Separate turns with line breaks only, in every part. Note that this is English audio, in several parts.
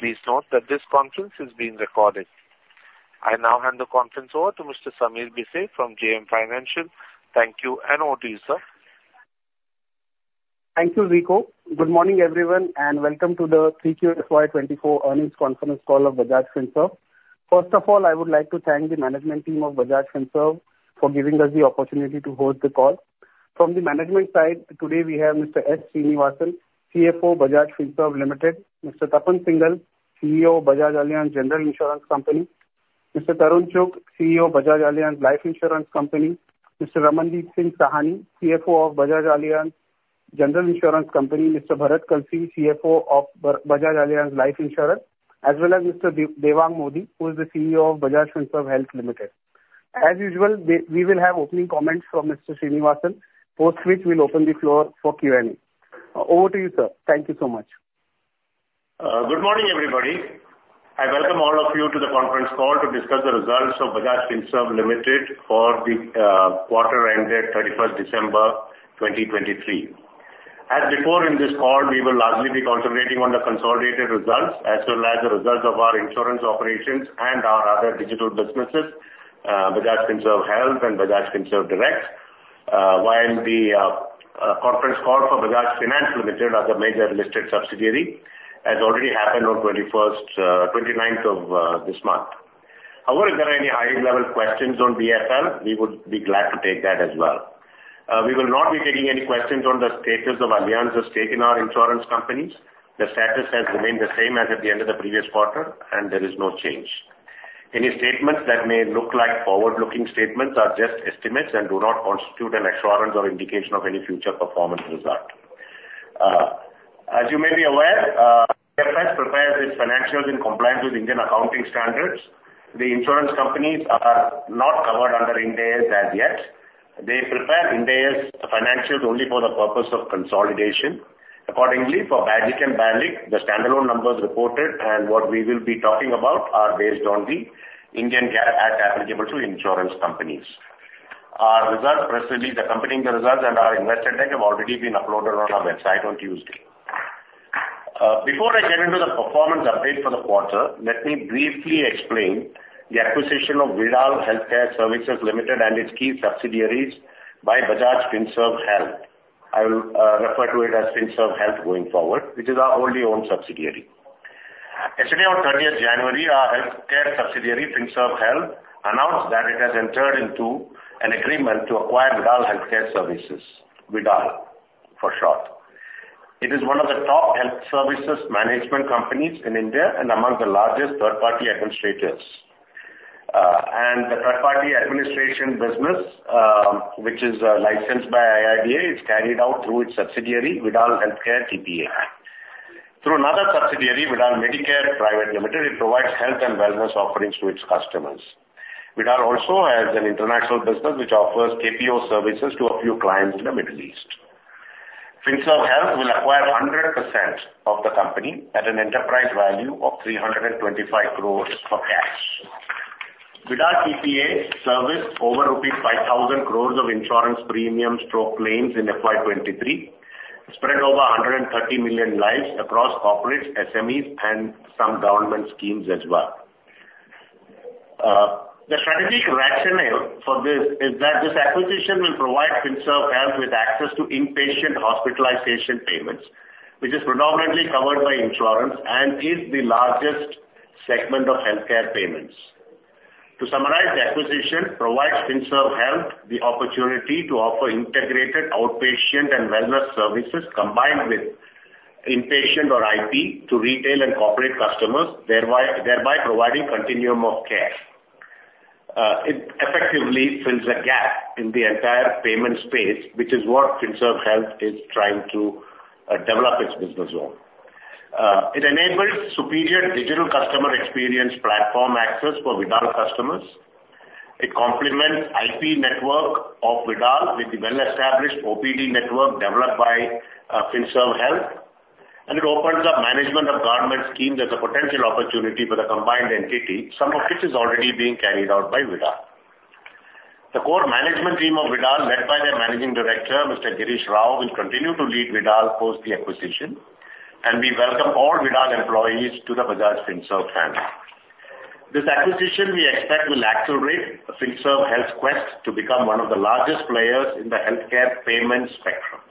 Please note that this conference is being recorded. I now hand the conference over to Mr. Sameer Bhise from JM Financial. Thank you, and over to you, sir.
Thank you, Rico. Good morning, everyone, and welcome to the Q3 FY 2024 earnings conference call of Bajaj Finserv. First of all, I would like to thank the management team of Bajaj Finserv for giving us the opportunity to host the call. From the management side, today, we have Mr. S. Sreenivasan, CFO, Bajaj Finserv Limited, Mr. Tapan Singhel, CEO, Bajaj Allianz General Insurance Company, Mr. Tarun Chugh, CEO, Bajaj Allianz Life Insurance Company, Mr. Ramandeep Singh Sahni, CFO of Bajaj Allianz General Insurance Company, Mr. Bharat Kalsi, CFO of Bajaj Allianz Life Insurance, as well as Mr. Devang Mody, who is the CEO of Bajaj Finserv Health Limited. As usual, we will have opening comments from Mr. Sreenivasan, post which we'll open the floor for Q&A. Over to you, sir. Thank you so much.
Good morning, everybody. I welcome all of you to the conference call to discuss the results of Bajaj Finserv Limited for the quarter ended 31st December 2023. As before, in this call, we will largely be concentrating on the consolidated results, as well as the results of our insurance operations and our other digital businesses, Bajaj Finserv Health and Bajaj Finserv Direct. While the conference call for Bajaj Finance Limited, as a major listed subsidiary, has already happened on 29th of this month. However, if there are any high-level questions on BFL, we would be glad to take that as well. We will not be taking any questions on the status of Allianz's stake in our insurance companies. The status has remained the same as at the end of the previous quarter, and there is no change. Any statements that may look like forward-looking statements are just estimates and do not constitute an assurance or indication of any future performance result. As you may be aware, BFS prepares its financials in compliance with Indian accounting standards. The insurance companies are not covered under Ind AS as yet. They prepare Ind AS financials only for the purpose of consolidation. Accordingly, for BAGIC and BALIC, the standalone numbers reported and what we will be talking about are based on the Indian GAAP as applicable to insurance companies. Our results, precisely, the accompanying results and our investor deck, have already been uploaded on our website on Tuesday. Before I get into the performance update for the quarter, let me briefly explain the acquisition of Vidal Healthcare Services Limited and its key subsidiaries by Bajaj Finserv Health. I will refer to it as Finserv Health going forward, which is our wholly owned subsidiary. Yesterday, on thirtieth January, our healthcare subsidiary, Finserv Health, announced that it has entered into an agreement to acquire Vidal Healthcare Services, Vidal for short. It is one of the top health services management companies in India and among the largest third-party administrators. And the third-party administration business, which is licensed by IRDAI, is carried out through its subsidiary, Vidal Healthcare TPA. Through another subsidiary, Vidal Medicare Private Limited, it provides health and wellness offerings to its customers. Vidal also has an international business which offers KPO services to a few clients in the Middle East. Finserv Health will acquire 100% of the company at an enterprise value of 325 crore for cash. Vidal TPA serviced over rupees 5,000 crore of insurance premiums through claims in FY 2023, spread over 130 million lives across corporates, SMEs, and some government schemes as well. The strategic rationale for this is that this acquisition will provide Finserv Health with access to inpatient hospitalization payments, which is predominantly covered by insurance and is the largest segment of healthcare payments. To summarize, the acquisition provides Finserv Health the opportunity to offer integrated outpatient and wellness services, combined with inpatient or IP, to retail and corporate customers, thereby, thereby providing continuum of care. It effectively fills a gap in the entire payment space, which is what Finserv Health is trying to develop its business on. It enables superior digital customer experience platform access for Vidal customers. It complements IP network of Vidal with the well-established OPD network developed by Finserv Health. It opens up management of government schemes as a potential opportunity for the combined entity, some of which is already being carried out by Vidal. The core management team of Vidal, led by their managing director, Mr. Girish Rao, will continue to lead Vidal post the acquisition, and we welcome all Vidal employees to the Bajaj Finserv family. This acquisition, we expect, will accelerate Finserv Health's quest to become one of the largest players in the healthcare payment spectrum.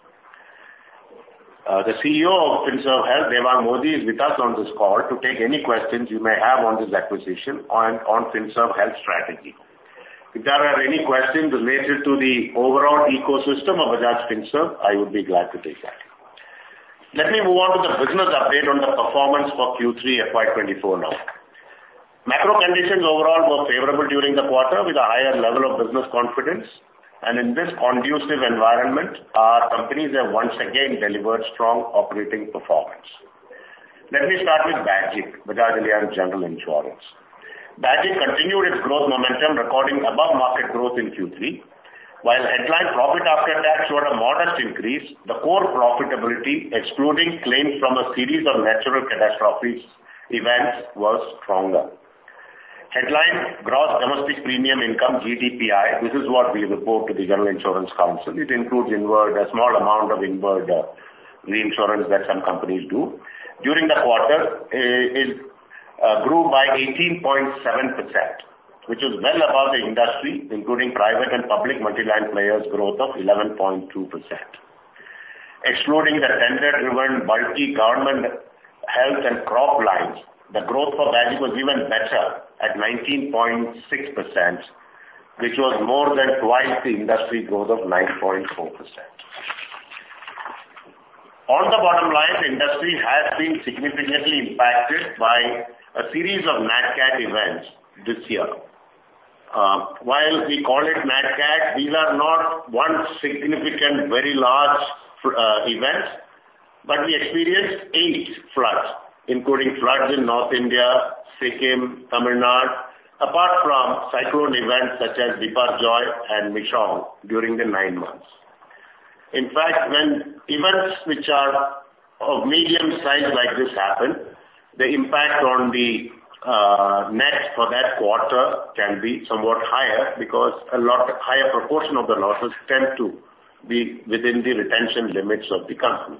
The CEO of Finserv Health, Devang Mody, is with us on this call to take any questions you may have on this acquisition on, on Finserv Health strategy. If there are any questions related to the overall ecosystem of Bajaj Finserv, I would be glad to take that. Let me move on to the business update on the performance for Q3 FY 2024 now. Macro conditions overall were favorable during the quarter, with a higher level of business confidence, and in this conducive environment, our companies have once again delivered strong operating performance. Let me start with Bajaj, Bajaj Allianz General Insurance. Bajaj continued its growth momentum, recording above-market growth in Q3. While headline profit after tax showed a modest increase, the core profitability, excluding claims from a series of natural catastrophes events, was stronger... Headline Gross Domestic Premium Income, GDPI, this is what we report to the General Insurance Council. It includes inward, a small amount of inward reinsurance that some companies do. During the quarter, it grew by 18.7%, which is well above the industry, including private and public multi-line players growth of 11.2%. Excluding the tender-driven multi-government health and crop lines, the growth for Bajaj was even better at 19.6%, which was more than twice the industry growth of 9.4%. On the bottom line, the industry has been significantly impacted by a series of Nat Cat events this year. While we call it Nat Cat, these are not one significant, very large, events, but we experienced eight floods, including floods in North India, Sikkim, Tamil Nadu, apart from cyclone events such as Biparjoy and Michaung during the nine months. In fact, when events which are of medium size like this happen, the impact on the, net for that quarter can be somewhat higher because a lot higher proportion of the losses tend to be within the retention limits of the company.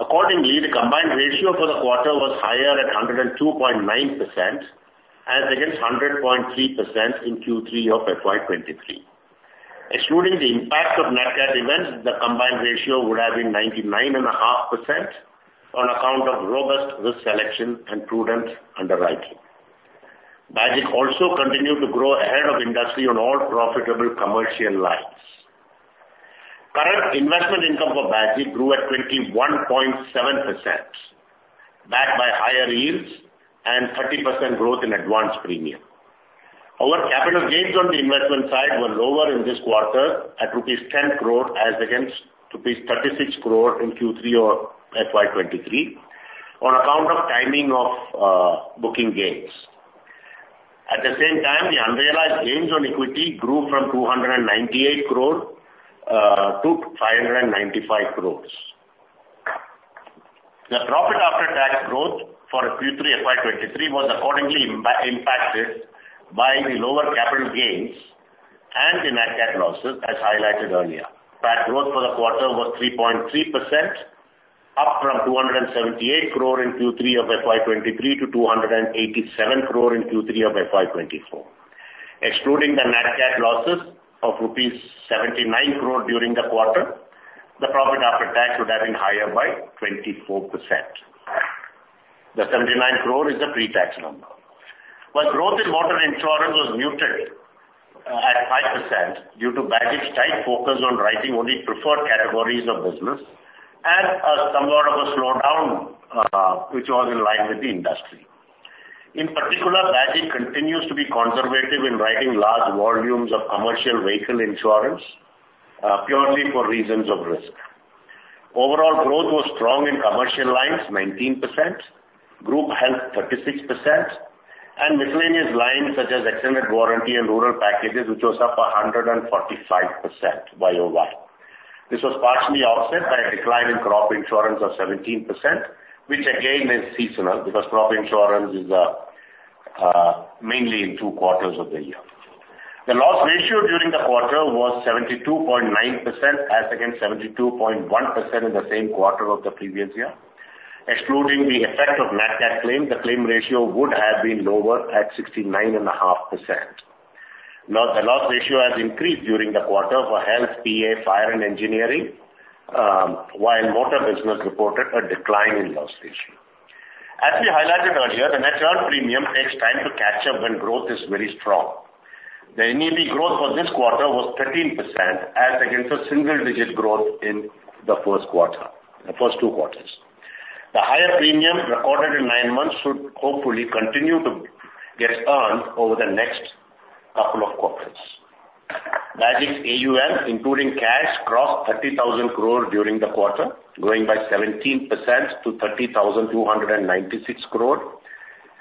Accordingly, the combined ratio for the quarter was higher at 102.9% as against 100.3% in Q3 of FY 2023. Excluding the impact of Nat Cat events, the combined ratio would have been 99.5% on account of robust risk selection and prudent underwriting. Bajaj also continued to grow ahead of industry on all profitable commercial lines. Current investment income for Bajaj grew at 21.7%, backed by higher yields and 30% growth in advanced premium. Our capital gains on the investment side were lower in this quarter at rupees 10 crore as against rupees 36 crore in Q3 of FY 2023 on account of timing of booking gains. At the same time, the unrealized gains on equity grew from 298 crore to 595 crores. The profit after tax growth for Q3 FY 2023 was accordingly impacted by the lower capital gains and the Nat Cat losses, as highlighted earlier. Tax growth for the quarter was 3.3%, up from 278 crore in Q3 of FY 2023 to 287 crore in Q3 of FY 2024. Excluding the Nat Cat losses of rupees 79 crore during the quarter, the profit after tax would have been higher by 24%. The 79 crore is the pre-tax number. While growth in motor insurance was muted at 5% due to Bajaj's tight focus on writing only preferred categories of business and somewhat of a slowdown, which was in line with the industry. In particular, Bajaj continues to be conservative in writing large volumes of commercial vehicle insurance, purely for reasons of risk. Overall growth was strong in commercial lines, 19%, group health, 36%, and miscellaneous lines such as extended warranty and rural packages, which was up 145% Y-O-Y. This was partially offset by a decline in crop insurance of 17%, which again is seasonal because crop insurance is mainly in two quarters of the year. The loss ratio during the quarter was 72.9%, as against 72.1% in the same quarter of the previous year. Excluding the effect of Nat Cat claims, the claim ratio would have been lower at 69.5%. Now, the loss ratio has increased during the quarter for health, PA, fire, and engineering, while motor business reported a decline in loss ratio. As we highlighted earlier, the natural premium takes time to catch up when growth is very strong. The NEB growth for this quarter was 13%, as against a single-digit growth in the first quarter, the first two quarters. The higher premium recorded in nine months should hopefully continue to get earned over the next couple of quarters. Bajaj's AUM, including cash, crossed 30,000 crore during the quarter, growing by 17% to 30,296 crore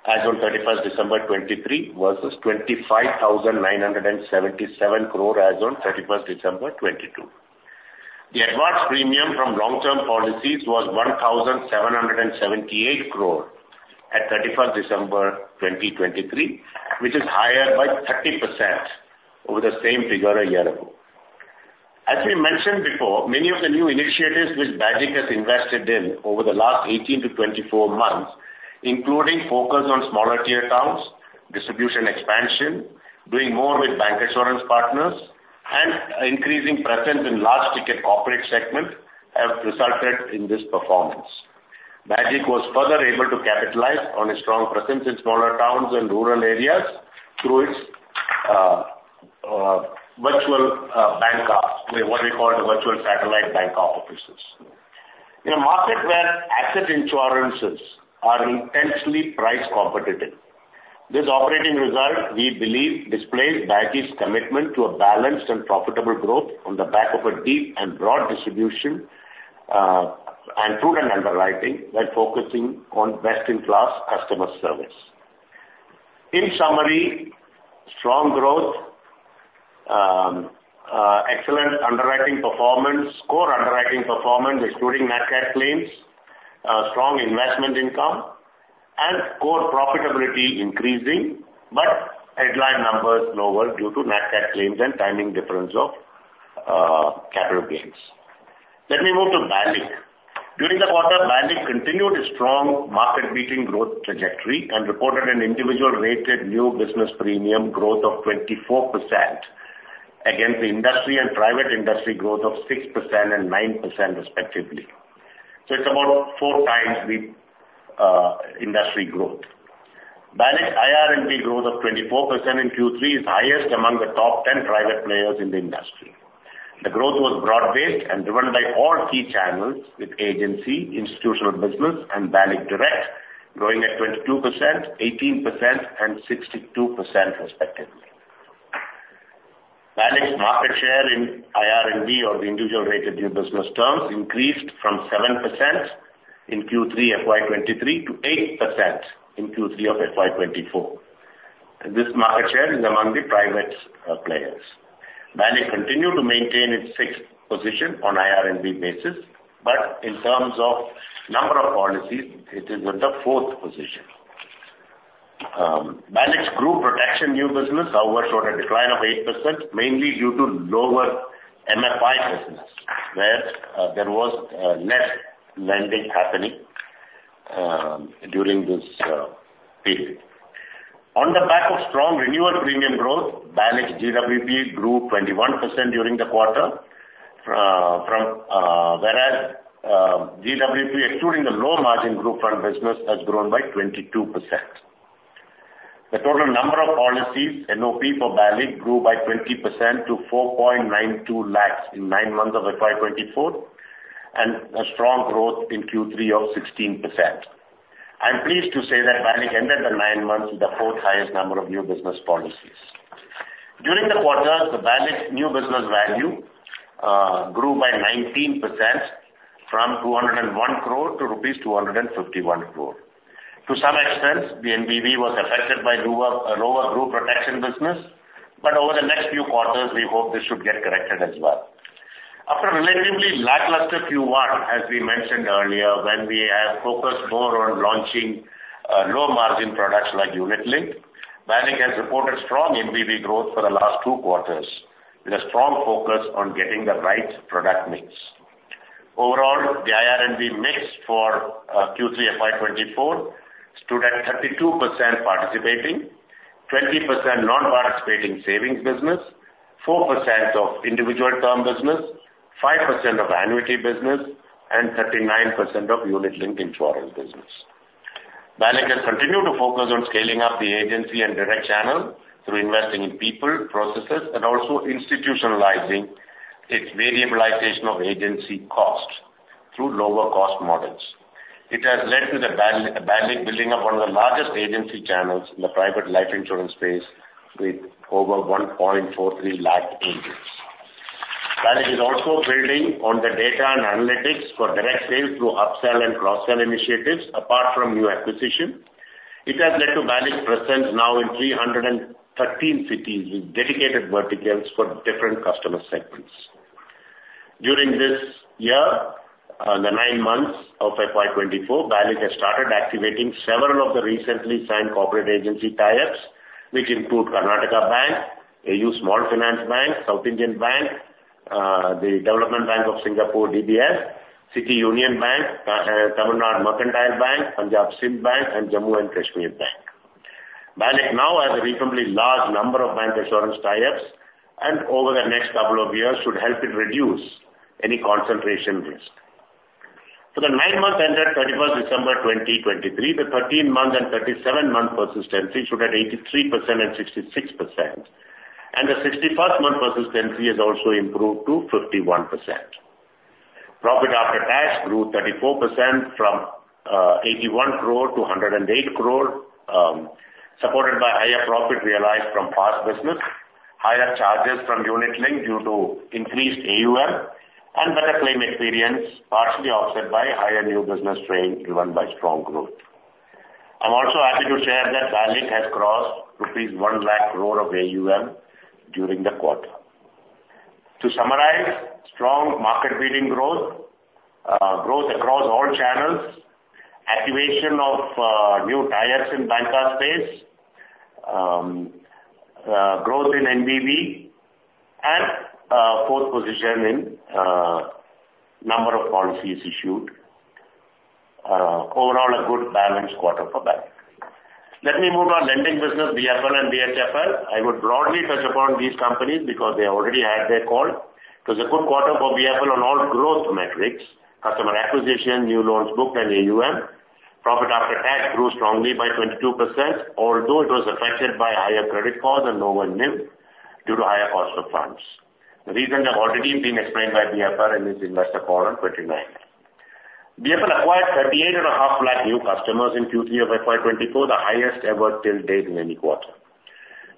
as on 31st December 2023, versus 25,977 crore as on 31st December 2022. The advanced premium from long-term policies was 1,778 crore at 31st December 2023, which is higher by 30% over the same figure a year ago. As we mentioned before, many of the new initiatives which Bajaj has invested in over the last 18-24 months, including focus on smaller tier towns, distribution expansion, doing more with bank insurance partners, and increasing presence in large ticket corporate segments, have resulted in this performance. Bajaj was further able to capitalize on a strong presence in smaller towns and rural areas through its virtual satellite offices. In a market where general insurance is intensely price competitive, this operating result, we believe, displays Bajaj's commitment to a balanced and profitable growth on the back of a deep and broad distribution and prudent underwriting while focusing on best-in-class customer service. In summary, strong growth-... Excellent underwriting performance, core underwriting performance excluding Nat Cat claims, strong investment income, and core profitability increasing, but headline numbers lower due to Nat Cat claims and timing difference of capital gains. Let me move to Bajaj Allianz Life. During the quarter, Bajaj Allianz Life continued its strong market-leading growth trajectory and reported an individual rated new business premium growth of 24% against the industry and private industry growth of 6% and 9% respectively. So it's about four times the industry growth. Bajaj Allianz Life IRNB growth of 24% in Q3 is highest among the top 10 private players in the industry. The growth was broad-based and driven by all key channels with agency, institutional business, and Bajaj Allianz Life Direct, growing at 22%, 18%, and 62% respectively. BAL's market share in IRNB or the individual rated new business terms increased from 7% in Q3 FY 2023 to 8% in Q3 of FY 2024, and this market share is among the private players. BAL's continued to maintain its sixth position on IRNB basis, but in terms of number of policies, it is in the fourth position. BAL's group protection new business, however, showed a decline of 8%, mainly due to lower MFI business, where there was less lending happening during this period. On the back of strong renewal premium growth, BAL's GWP grew 21% during the quarter, whereas GWP, excluding the low-margin group and business, has grown by 22%. The total number of policies, NOP for Bajaj's, grew by 20% to Lakhs 4.92 in nine months of FY 2024, and a strong growth in Q3 of 16%. I'm pleased to say that Bajaj's ended the nine months with the fourth highest number of new business policies. During the quarter, the Bajaj's new business value grew by 19% from 201 crore to rupees 251 crore. To some extent, the NBV was affected by lower, lower group protection business, but over the next few quarters, we hope this should get corrected as well. After a relatively lackluster Q1, as we mentioned earlier, when we had focused more on launching low-margin products like unit link, Bajaj's has reported strong NBV growth for the last two quarters, with a strong focus on getting the right product mix. Overall, the IRNB mix for Q3 FY 2024 stood at 32% participating, 20% non-participating savings business, 4% of individual term business, 5% of annuity business, and 39% of unit linked insurance business. Bajaj's has continued to focus on scaling up the agency and direct channel through investing in people, processes, and also institutionalizing its variabilization of agency costs through lower cost models. It has led to Bajaj's building up one of the largest agency channels in the private life insurance space with over 143,000 agents. Bajaj's is also building on the data and analytics for direct sales through upsell and cross-sell initiatives, apart from new acquisition. It has led to Bajaj's presence now in 313 cities, with dedicated verticals for different customer segments. During this year, the nine months of FY 2024, BAL's has started activating several of the recently signed corporate agency tie-ups, which include Karnataka Bank, AU Small Finance Bank, South Indian Bank, the Development Bank of Singapore, DBS, City Union Bank, Tamil Nadu Mercantile Bank, Punjab & Sind Bank, and Jammu and Kashmir Bank. BAL's now has a reasonably large number of bank insurance tie-ups, and over the next couple of years, should help it reduce any concentration risk. For the nine months ended 31st December 2023, the 13-month and 37-month persistency stood at 83% and 66%, and the 61st-month persistency has also improved to 51%. Profit after tax grew 34% from 81 crore to 108 crore, supported by higher profit realized from past business, higher charges from unit link due to increased AUM and better claim experience, partially offset by higher new business strain driven by strong growth. I'm also happy to share that BAL's has crossed 100,000 crore rupees of AUM during the quarter. To summarize, strong market-leading growth, growth across all channels, activation of new tie-ups in banca space, growth in NBV and fourth position in number of policies issued. Overall, a good balanced quarter for BAL's. Let me move on lending business, BFL and BHFL. I would broadly touch upon these companies because they already had their call. It was a good quarter for BFL on all growth metrics, customer acquisition, new loans booked, and AUM. Profit after tax grew strongly by 22%, although it was affected by higher credit cost and lower NIM due to higher cost of funds. The reasons have already been explained by BFL in its investor call on 29. BFL acquired 38.5 lakh new customers in Q3 of FY 2024, the highest ever till date in any quarter.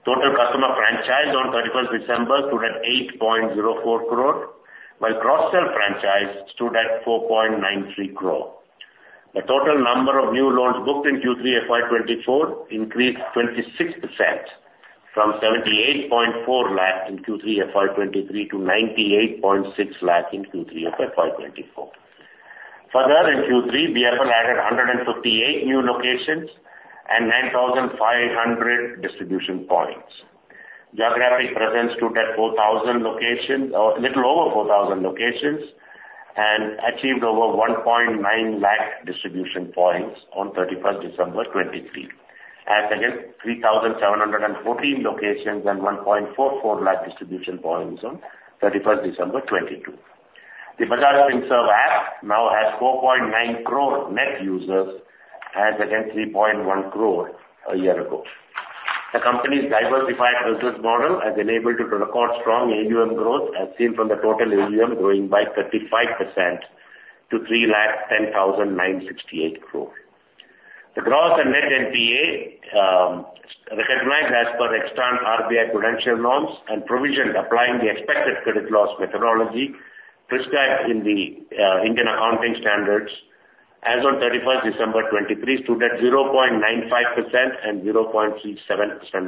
Total customer franchise on 31st December stood at 8.04 crore, while cross-sell franchise stood at 4.93 crore. The total number of new loans booked in Q3 FY 2024 increased 26%, from 78.4 lakh in Q3 FY 2023 to Lakh 98.6 in Q3 of FY 2024. Further, in Q3, BFL added 158 new locations and 9,500 distribution points. Geographic presence stood at 4,000 locations, or a little over 4,000 locations, and achieved over 1.9 lakh distribution points on 31st December 2023, as against 3,714 locations and 1.44 lakh distribution points on 31st December 2022. The Bajaj Finserv app now has 4.9 crore net users, as against 3.1 crore a year ago. The company's diversified business model has enabled it to record strong AUM growth, as seen from the total AUM growing by 35% to 3,10,968 crore. The gross and net NPA, recognized as per extant RBI prudential norms and provisioned applying the expected credit loss methodology prescribed in the Indian Accounting Standards as on 31st December 2023, stood at 0.95% and 0.37%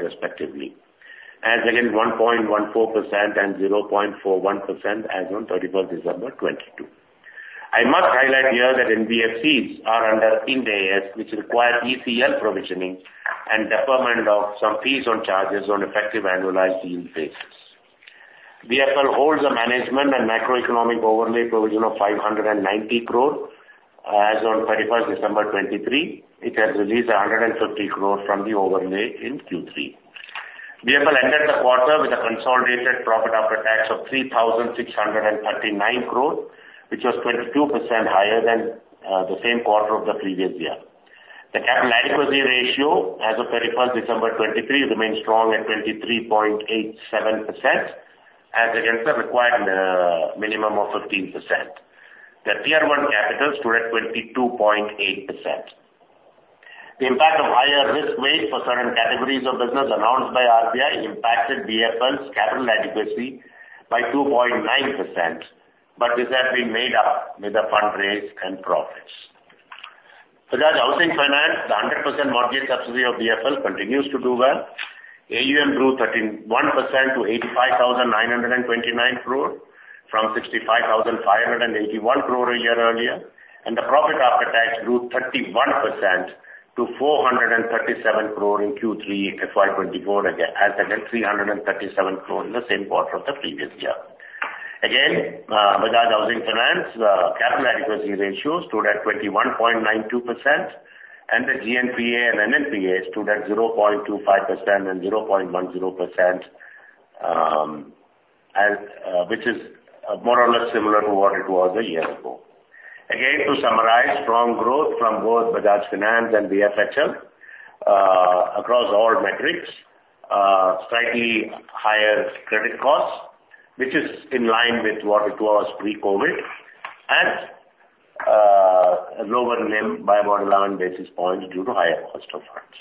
respectively, as against 1.14% and 0.41% as on 31st December 2022. I must highlight here that NBFCs are under Ind AS, which require ECL provisioning and deferment of some fees or charges on effective annualized yield basis. BFL holds a management and macroeconomic overlay provision of 590 crore as on 31st December 2023. It has released 150 crore from the overlay in Q3. BFL ended the quarter with a consolidated profit after tax of 3,639 crore, which was 22% higher than the same quarter of the previous year. The capital adequacy ratio as of 31 December 2023 remains strong at 23.87%, as against the required minimum of 15%. The Tier One Capital stood at 22.8%. The impact of higher risk weight for certain categories of business announced by RBI impacted BFL's capital adequacy by 2.9%, but this has been made up with the fund raise and profits. Bajaj Housing Finance, the 100% mortgage subsidiary of BFL, continues to do well. AUM grew 13.1% to 85,929 crore, from 65,581 crore a year earlier, and the profit after tax grew 31% to 437 crore in Q3 FY 2024, again, as against 337 crore in the same quarter of the previous year. Again, Bajaj Housing Finance capital adequacy ratio stood at 21.92%, and the GNPA and NNPA stood at 0.25% and 0.10%, which is more or less similar to what it was a year ago. Again, to summarize, strong growth from both Bajaj Finance and BHFL, across all metrics, slightly higher credit costs, which is in line with what it was pre-COVID, and, lower NIM by about 11 basis points due to higher cost of funds.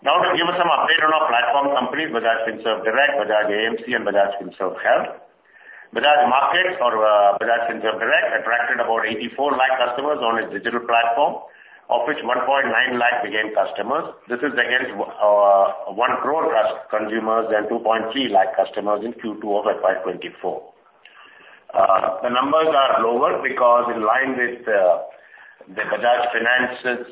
Now, to give us some update on our platform company, Bajaj Finserv Direct, Bajaj AMC, and Bajaj Finserv Health. Bajaj Markets or, Bajaj Finserv Direct attracted about 84 lakh customers on its digital platform, of which Lakh 1.9 became customers. This is against, one crore trust consumers and Lakh 2.3 customers in Q2 of FY 2024. The numbers are lower because in line with the Bajaj Finance's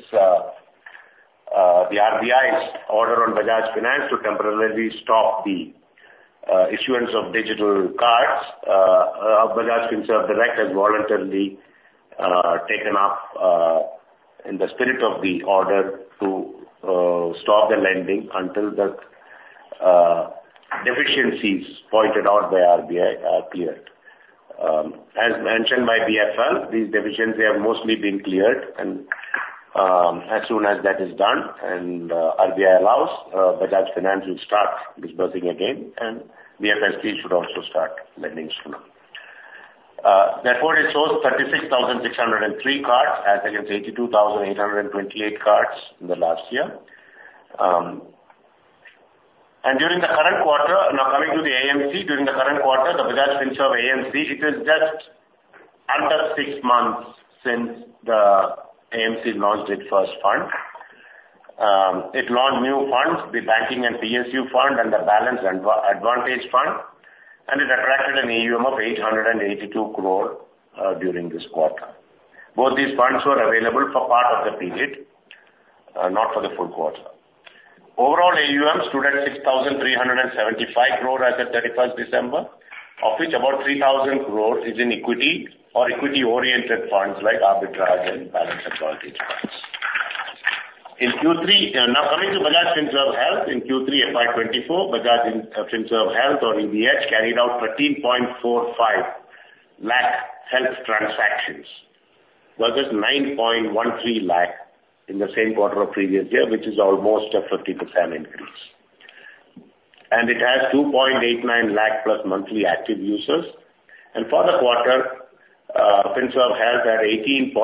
the RBI's order on Bajaj Finance to temporarily stop the issuance of digital cards, Bajaj Finserv Direct has voluntarily taken up in the spirit of the order to stop the lending until the deficiencies pointed out by RBI are cleared. As mentioned by BFL, these deficiencies have mostly been cleared, and as soon as that is done and RBI allows, Bajaj Finance will start disbursing again, and BFSD should also start lending soon. Therefore, it shows 36,603 cards as against 82,828 cards in the last year. And during the current quarter... Now, coming to the AMC, during the current quarter, the Bajaj Finserv AMC, it is just under six months since the AMC launched its first fund. It launched new funds, the Banking and PSU Fund and the Balance Advantage Fund, and it attracted an AUM of 882 crore during this quarter. Both these funds were available for part of the period, not for the full quarter. Overall, AUM stood at 6,375 crore as at thirty-first December, of which about 3,000 crore is in equity or equity-oriented funds, like arbitrage and balance advantage funds. In Q3, now, coming to Bajaj Finserv Health, in Q3 FY 2024, Bajaj Finserv Health, or BFH, carried out 13.45 Lakh health transactions, versus 9.13 Lakh in the same quarter of previous year, which is almost a 50% increase. It has 2.89 Lakh+ monthly active users. For the quarter, Finserv Health had 18.55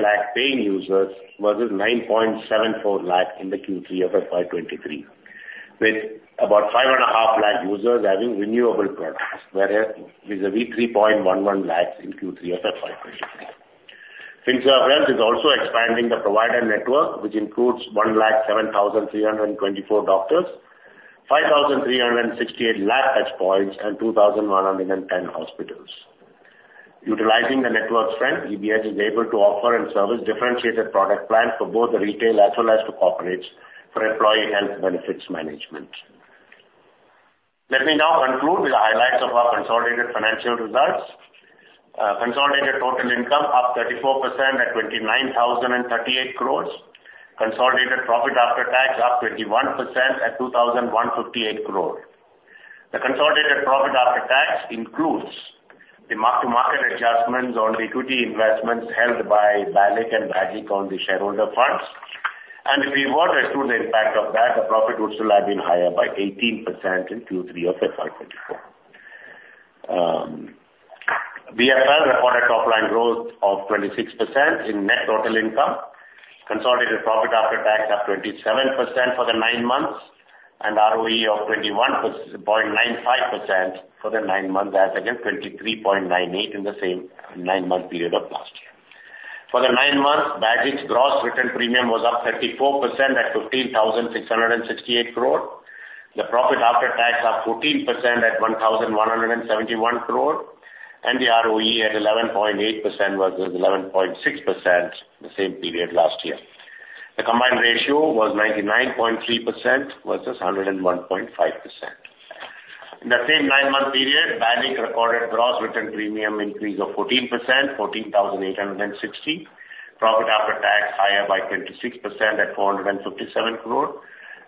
Lakh paying users, versus 9.74 Lakh in the Q3 of FY 2023, with about 5.5 Lakh users having renewable products, whereas with a 3.11 Lakh in Q3 of FY 2024. Bajaj Finserv Health is also expanding the provider network, which includes 1 Lakh 7,324 doctors, 5,368 Lab touch points, and 2,110 hospitals. Utilizing the network strength, EBS is able to offer and service differentiated product plans for both the retail as well as to corporates for employee health benefits management. Let me now conclude with the highlights of our consolidated financial results. Consolidated total income up 34% at 29,038 crore. Consolidated profit after tax, up 21% at 2,158 crore. The consolidated profit after tax includes the mark-to-market adjustments on the equity investments held by BALIC and BAGIC on the shareholder funds, and if we were to do the impact of that, the profit would still have been higher by 18% in Q3 of FY 2024. BFL recorded top line growth of 26% in net total income. Consolidated profit after tax up 27% for the nine months, and ROE of 21.95% for the nine months, as against 23.98% in the same nine-month period of last year. For the nine months, Bajaj's gross written premium was up 34% at 15,668 crore. The profit after tax, up 14% at 1,171 crore, and the ROE at 11.8% versus 11.6% the same period last year. The combined ratio was 99.3% versus 101.5%. In the same nine-month period, Bajaj recorded gross written premium increase of 14%, 14,860. Profit after tax higher by 26% at 457 crore,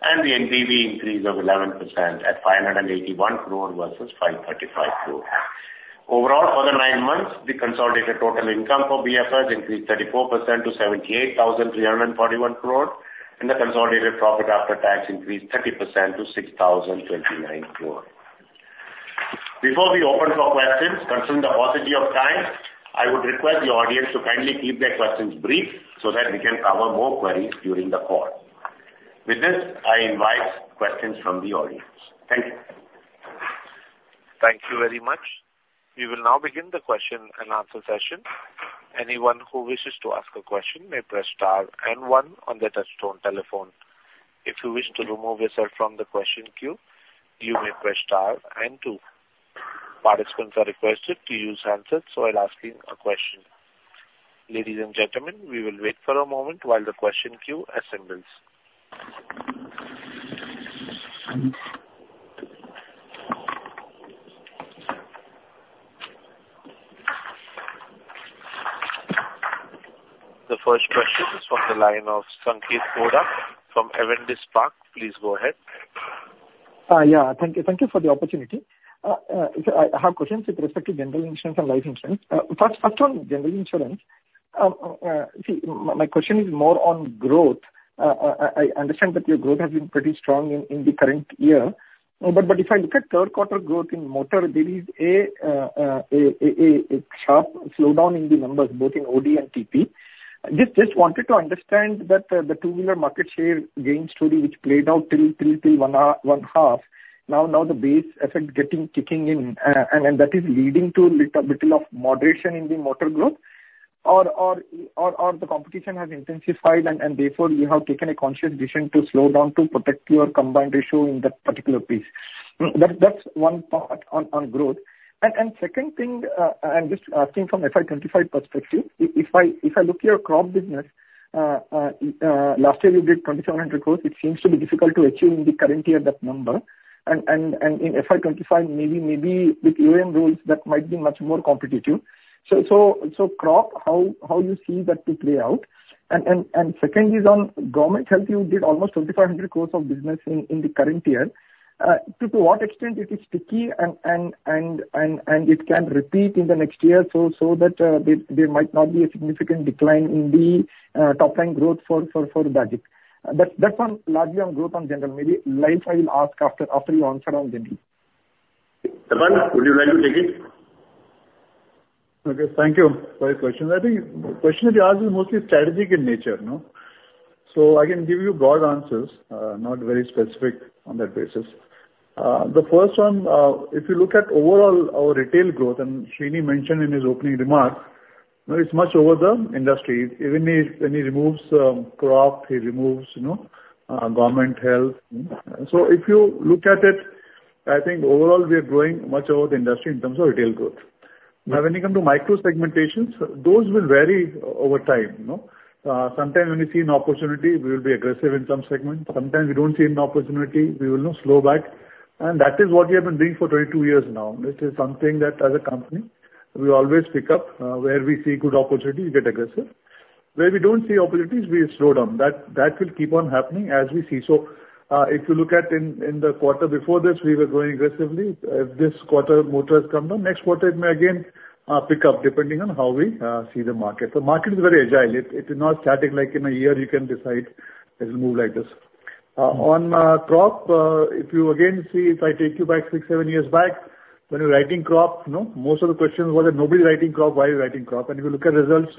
and the NBV increase of 11% at 581 crore versus 535 crore. Overall, for the nine months, the consolidated total income for BFR increased 34% to 78,341 crore, and the consolidated profit after tax increased 30% to 6,029 crore. Before we open for questions, considering the paucity of time, I would request the audience to kindly keep their questions brief so that we can cover more queries during the call. With this, I invite questions from the audience. Thank you.
Thank you very much. We will now begin the question and answer session. Anyone who wishes to ask a question may press star and one on their touchtone telephone. If you wish to remove yourself from the question queue, you may press star and two. Participants are requested to use handsets while asking a question. Ladies and gentlemen, we will wait for a moment while the question queue assembles. The first question is from the line of Sanketh Godha from Avendus Spark. Please go ahead.
Yeah, thank you. Thank you for the opportunity. So I have questions with respect to general insurance and life insurance. First on general insurance. See, my question is more on growth. I understand that your growth has been pretty strong in the current year. But if I look at third quarter growth in motor, there is a sharp slowdown in the numbers, both in OD and TP. Just wanted to understand that the two-wheeler market share gain story, which played out till one half, now the base effect kicking in, and that is leading to a little moderation in the motor growth. The competition has intensified and therefore you have taken a conscious decision to slow down to protect your combined ratio in that particular piece. That's one part on growth. Second thing, I'm just asking from FY 2025 perspective, if I look at your crop business, last year you did 2,700 crore. It seems to be difficult to achieve in the current year that number. And in FY 2025, maybe with AUM rules, that might be much more competitive. So crop, how you see that to play out? And second is on government health. You did almost 3,500 crore of business in the current year. To what extent it is sticky and it can repeat in the next year, so that there might not be a significant decline in the top line growth for Bajaj. That's one largely on growth on general. Maybe life I will ask after you answer on general.
Tapan, would you like to take it?
Okay, thank you for your questions. I think the question you asked is mostly strategic in nature, no? So I can give you broad answers, not very specific on that basis. The first one, if you look at overall our retail growth, and Sreeni mentioned in his opening remarks, you know, it's much over the industry. Even if when he removes, crop, he removes, you know, government health. So if you look at it, I think overall we are growing much over the industry in terms of retail growth. But when you come to micro segmentations, those will vary over time, no? Sometime when we see an opportunity, we will be aggressive in some segments. Sometimes we don't see an opportunity, we will now slow back, and that is what we have been doing for 22 years now. This is something that, as a company, we always pick up, where we see good opportunities, we get aggressive. Where we don't see opportunities, we slow down. That will keep on happening as we see. So, if you look at the quarter before this, we were growing aggressively. This quarter, motor has come down. Next quarter, it may again pick up, depending on how we see the market. The market is very agile. It is not static, like in a year you can decide it will move like this. On crop, if you again see, if I take you back six, seven years back, when you're writing crop, no, most of the questions were that: "Nobody writing crop. Why are you writing crop?" And if you look at results-...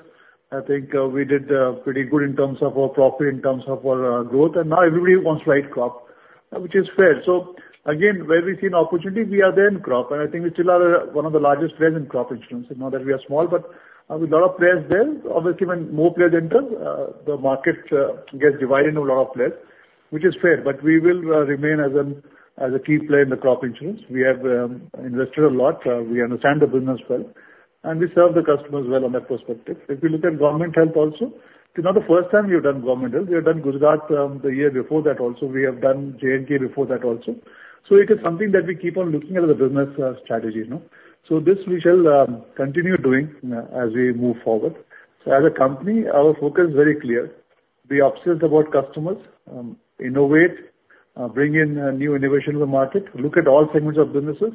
I think, we did pretty good in terms of our profit, in terms of our growth, and now everybody wants right crop, which is fair. So again, where we see an opportunity, we are there in crop, and I think we still are one of the largest players in crop insurance. And now that we are small, but with a lot of players there, obviously, when more players enter, the market gets divided into a lot of players, which is fair, but we will remain as a key player in the crop insurance. We have invested a lot, we understand the business well, and we serve the customers well on that perspective. If you look at government health also, it's not the first time we've done government health. We have done Gujarat, the year before that also. We have done J&K before that also. So it is something that we keep on looking at the business, strategy, you know? So this we shall continue doing as we move forward. So as a company, our focus is very clear. We are obsessed about customers, innovate, bring in, new innovation to the market, look at all segments of businesses,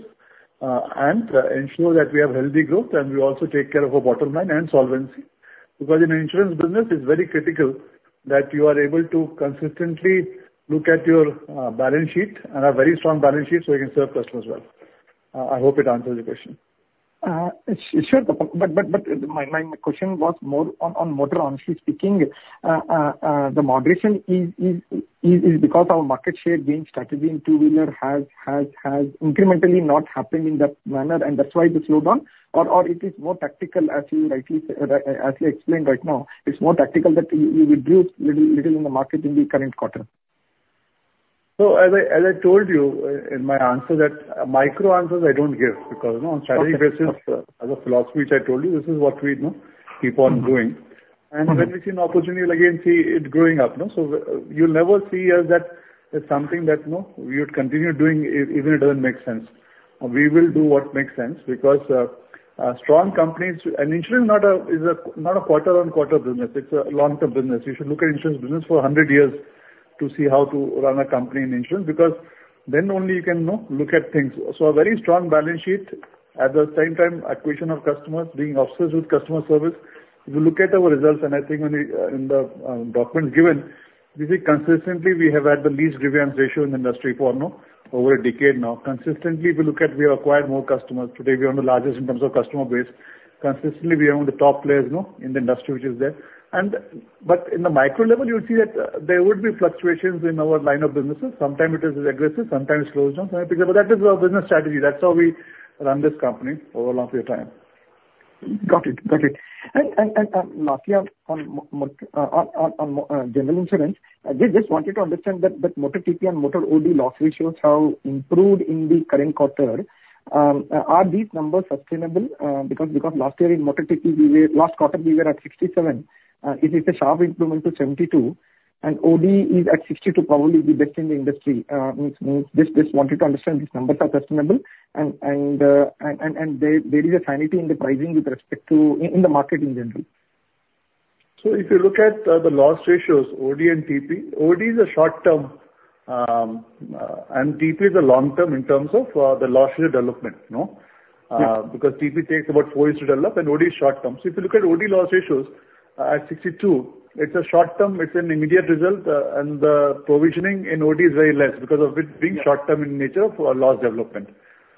and ensure that we have healthy growth, and we also take care of our bottom line and solvency. Because in insurance business, it's very critical that you are able to consistently look at your, balance sheet and have very strong balance sheet so you can serve customers well. I hope it answers your question.
But it's your, but my question was more on motor. Honestly speaking, the moderation is because our market share gain strategy in two-wheeler has incrementally not happened in that manner, and that's why the slowdown? Or it is more tactical, as you rightly explained right now, it's more tactical that you will lose little in the market in the current quarter.
So as I, as I told you in my answer, that micro answers I don't give, because, you know-
Okay.
On strategy basis, as a philosophy, which I told you, this is what we, you know, keep on doing.
Mm-hmm.
When we see an opportunity, we'll again see it growing up, no? So, you'll never see as that it's something that, no, we would continue doing even if it doesn't make sense. We will do what makes sense, because, a strong company's, and insurance is not a, is a, not a quarter-on-quarter business, it's a long-term business. You should look at insurance business for a hundred years to see how to run a company in insurance, because then only you can, you know, look at things. So a very strong balance sheet, at the same time, acquisition of customers, being obsessed with customer service. If you look at our results, and I think when we, in the, document given, you see consistently we have had the least grievance ratio in the industry for, you know, over a decade now. Consistently, if you look at, we have acquired more customers. Today, we are the largest in terms of customer base. Consistently, we are one of the top players, you know, in the industry which is there. And but in the micro level, you'll see that, there would be fluctuations in our line of businesses. Sometimes it is aggressive, sometimes it slows down. But that is our business strategy. That's how we run this company over a longer time.
Got it. Got it. And last year on general insurance, I just wanted to understand that motor TP and motor OD loss ratios have improved in the current quarter. Are these numbers sustainable? Because last year in motor TP, we were last quarter at 67. It is a sharp improvement to 72, and OD is at 62, probably the best in the industry. Just wanted to understand if these numbers are sustainable and there is a sanity in the pricing with respect to in the market in general.
If you look at the loss ratios, OD and TP, OD is a short-term, and TP is a long-term in terms of the loss ratio development, no?
Yeah.
Because TP takes about four years to develop and OD is short term. So if you look at OD loss ratios, at 62%, it's a short term, it's an immediate result, and the provisioning in OD is very less because of it being short term in nature for loss development.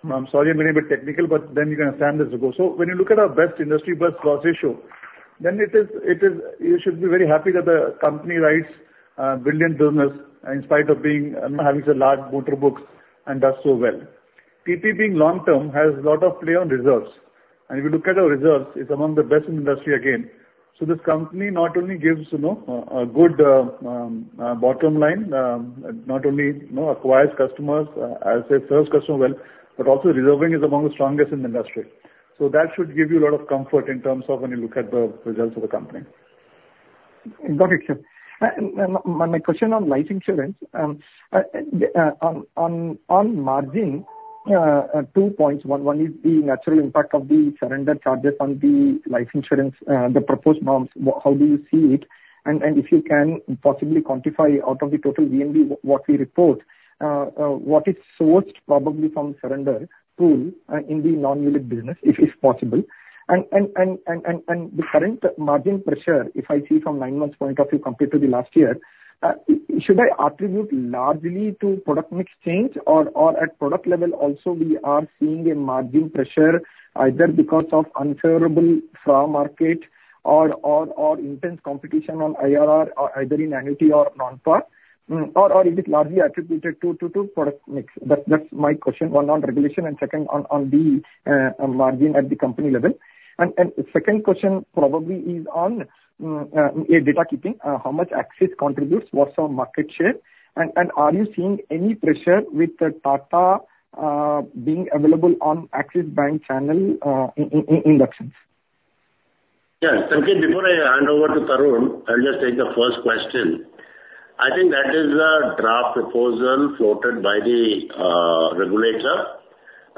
I'm sorry, I'm getting a bit technical, but then you can understand this ago. So when you look at our best industry, best loss ratio, then it is, it is you should be very happy that the company writes brilliant business in spite of being having the large motor books and does so well. TP being long term, has a lot of play on reserves. If you look at our reserves, it's among the best in the industry again. So this company not only gives, you know, a good, bottom line, not only, you know, acquires customers, as it serves customers well, but also reserving is among the strongest in the industry. So that should give you a lot of comfort in terms of when you look at the results of the company.
Got it, sir. My question on life insurance, on margin, two points. One is the natural impact of the surrender charges on the life insurance, the proposed norms. How do you see it? And if you can possibly quantify out of the total VNB what we report, what is sourced probably from surrender pool, in the non-unit business, if it's possible. And the current margin pressure, if I see from nine months point of view compared to the last year, should I attribute largely to product mix change or at product level also we are seeing a margin pressure either because of unfavorable fra market or intense competition on IRR, either in annuity or non-par? Or is it largely attributed to product mix? That's my question. One on regulation and second on the margin at the company level. Second question probably is on data keeping, how much Axis contributes, what's our market share, and are you seeing any pressure with the Tata being available on Axis Bank channel, in that sense?
Yes. Thank you. Before I hand over to Tarun, I'll just take the first question. I think that is a draft proposal floated by the regulator,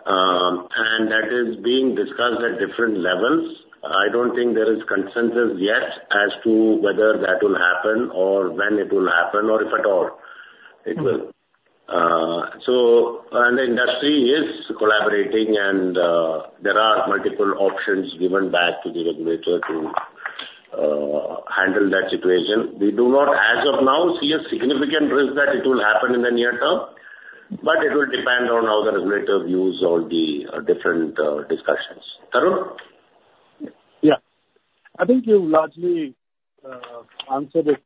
and that is being discussed at different levels. I don't think there is consensus yet as to whether that will happen or when it will happen or if at all it will.
Mm-hmm.
The industry is collaborating and there are multiple options given back to the regulator to handle that situation. We do not, as of now, see a significant risk that it will happen in the near term.... but it will depend on how the regulator views all the, different, discussions. Tarun?
Yeah. I think you've largely answered it,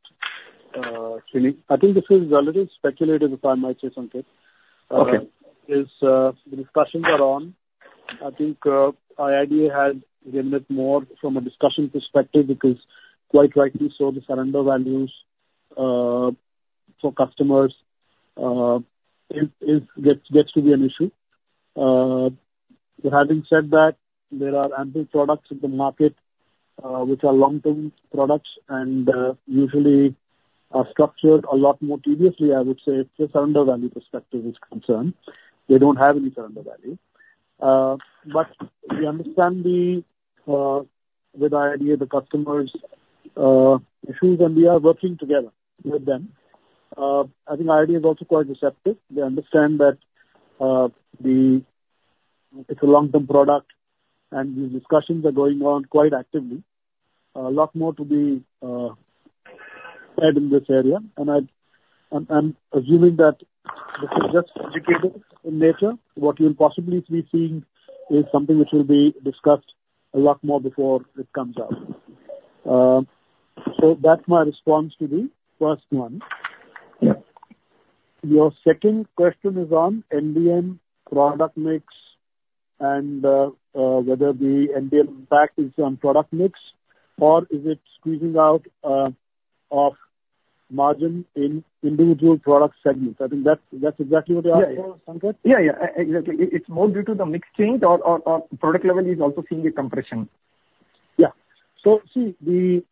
Sreeni. I think this is already speculative, if I might say, Sanket.
Okay.
The discussions are on. I think, IRDAI has given it more from a discussion perspective, because quite rightly so, the surrender values, for customers, it gets to be an issue. Having said that, there are ample products in the market, which are long-term products and, usually are structured a lot more tediously, I would say, if the surrender value perspective is concerned. They don't have any surrender value. But we understand the, with IRDAI, the customers', issues, and we are working together with them. I think IRDAI is also quite receptive. They understand that, it's a long-term product, and these discussions are going on quite actively. A lot more to be said in this area, and I'm assuming that this is just speculative in nature. What you'll possibly be seeing is something which will be discussed a lot more before it comes out. So that's my response to the first one.
Yeah.
Your second question is on NBN product mix and whether the NBN impact is on product mix, or is it squeezing out of margin in individual product segments? I think that's exactly what you asked for, Sanketh?
Yeah, yeah. Exactly. It's more due to the mix change or product level is also seeing a compression.
Yeah. So see, the,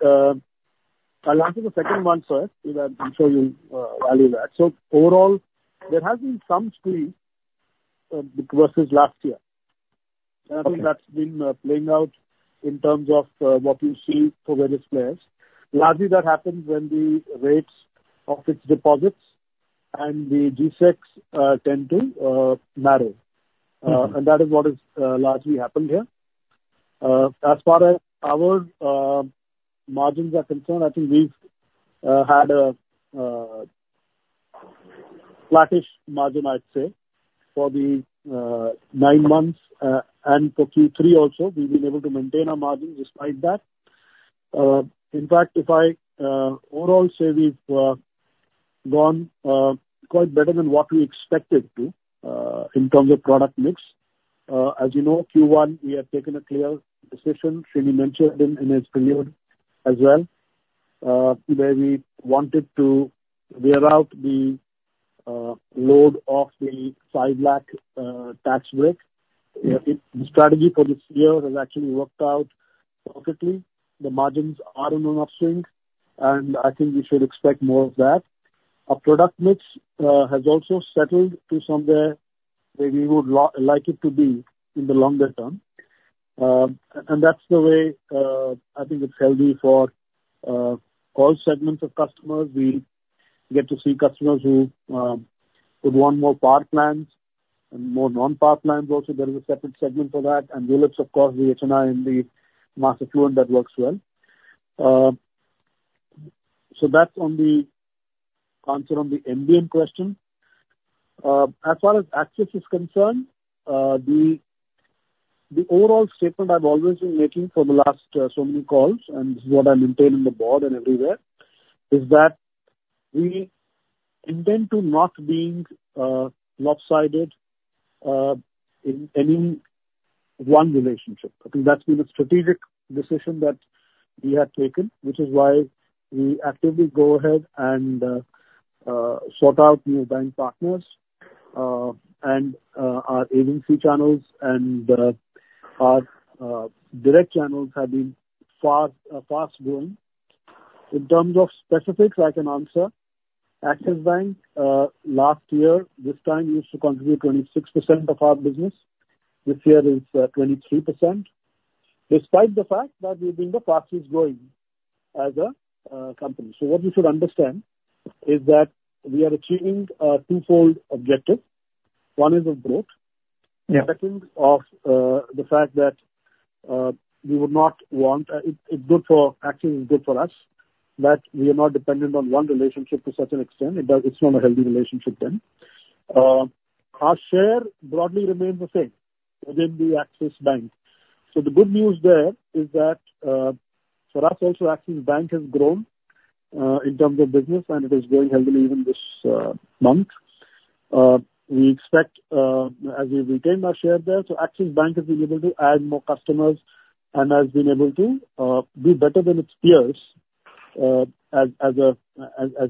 I'll answer the second one first, because I'm sure you'll value that. So overall, there has been some squeeze versus last year.
Okay.
I think that's been playing out in terms of what you see for various players. Lastly, that happens when the rates of its deposits and the G-Secs tend to narrow.
Mm-hmm.
And that is what is largely happened here. As far as our margins are concerned, I think we've had a flattish margin, I'd say, for the nine months and for Q3 also. We've been able to maintain our margins despite that. In fact, if I overall say we've gone quite better than what we expected to in terms of product mix. As you know, Q1, we have taken a clear decision, Sreeni mentioned in, in his period as well, where we wanted to wear out the load of the 5 lakh tax break.
Yeah.
The strategy for this year has actually worked out perfectly. The margins are on an upstream, and I think we should expect more of that. Our product mix has also settled to somewhere where we would like it to be in the longer term. And that's the way I think it's healthy for all segments of customers. We get to see customers who would want more part plans and more non-part plans. Also, there is a separate segment for that, and we launch, of course, the HNI and the master fluent that works well. So that's on the answer on the NBN question. As far as Axis Bank is concerned, the overall statement I've always been making for the last so many calls, and this is what I maintain in the board and everywhere, is that we intend to not being lopsided in any one relationship. I think that's been a strategic decision that we have taken, which is why we actively go ahead and sort out new bank partners, and our agency channels and our direct channels have been fast growing. In terms of specifics, I can answer. Axis Bank last year, this time used to contribute 26% of our business. This year it's 23%, despite the fact that we've been the fastest growing as a company. So what you should understand is that we are achieving a twofold objective. One is of growth.
Yeah.
Second, of the fact that we would not want... It's good for Axis is good for us, but we are not dependent on one relationship to such an extent. It does- it's not a healthy relationship then. Our share broadly remains the same within the Axis Bank. So the good news there is that for us also, Axis Bank has grown in terms of business, and it is growing healthy even this month. We expect as we retain our share there, so Axis Bank has been able to add more customers and has been able to do better than its peers as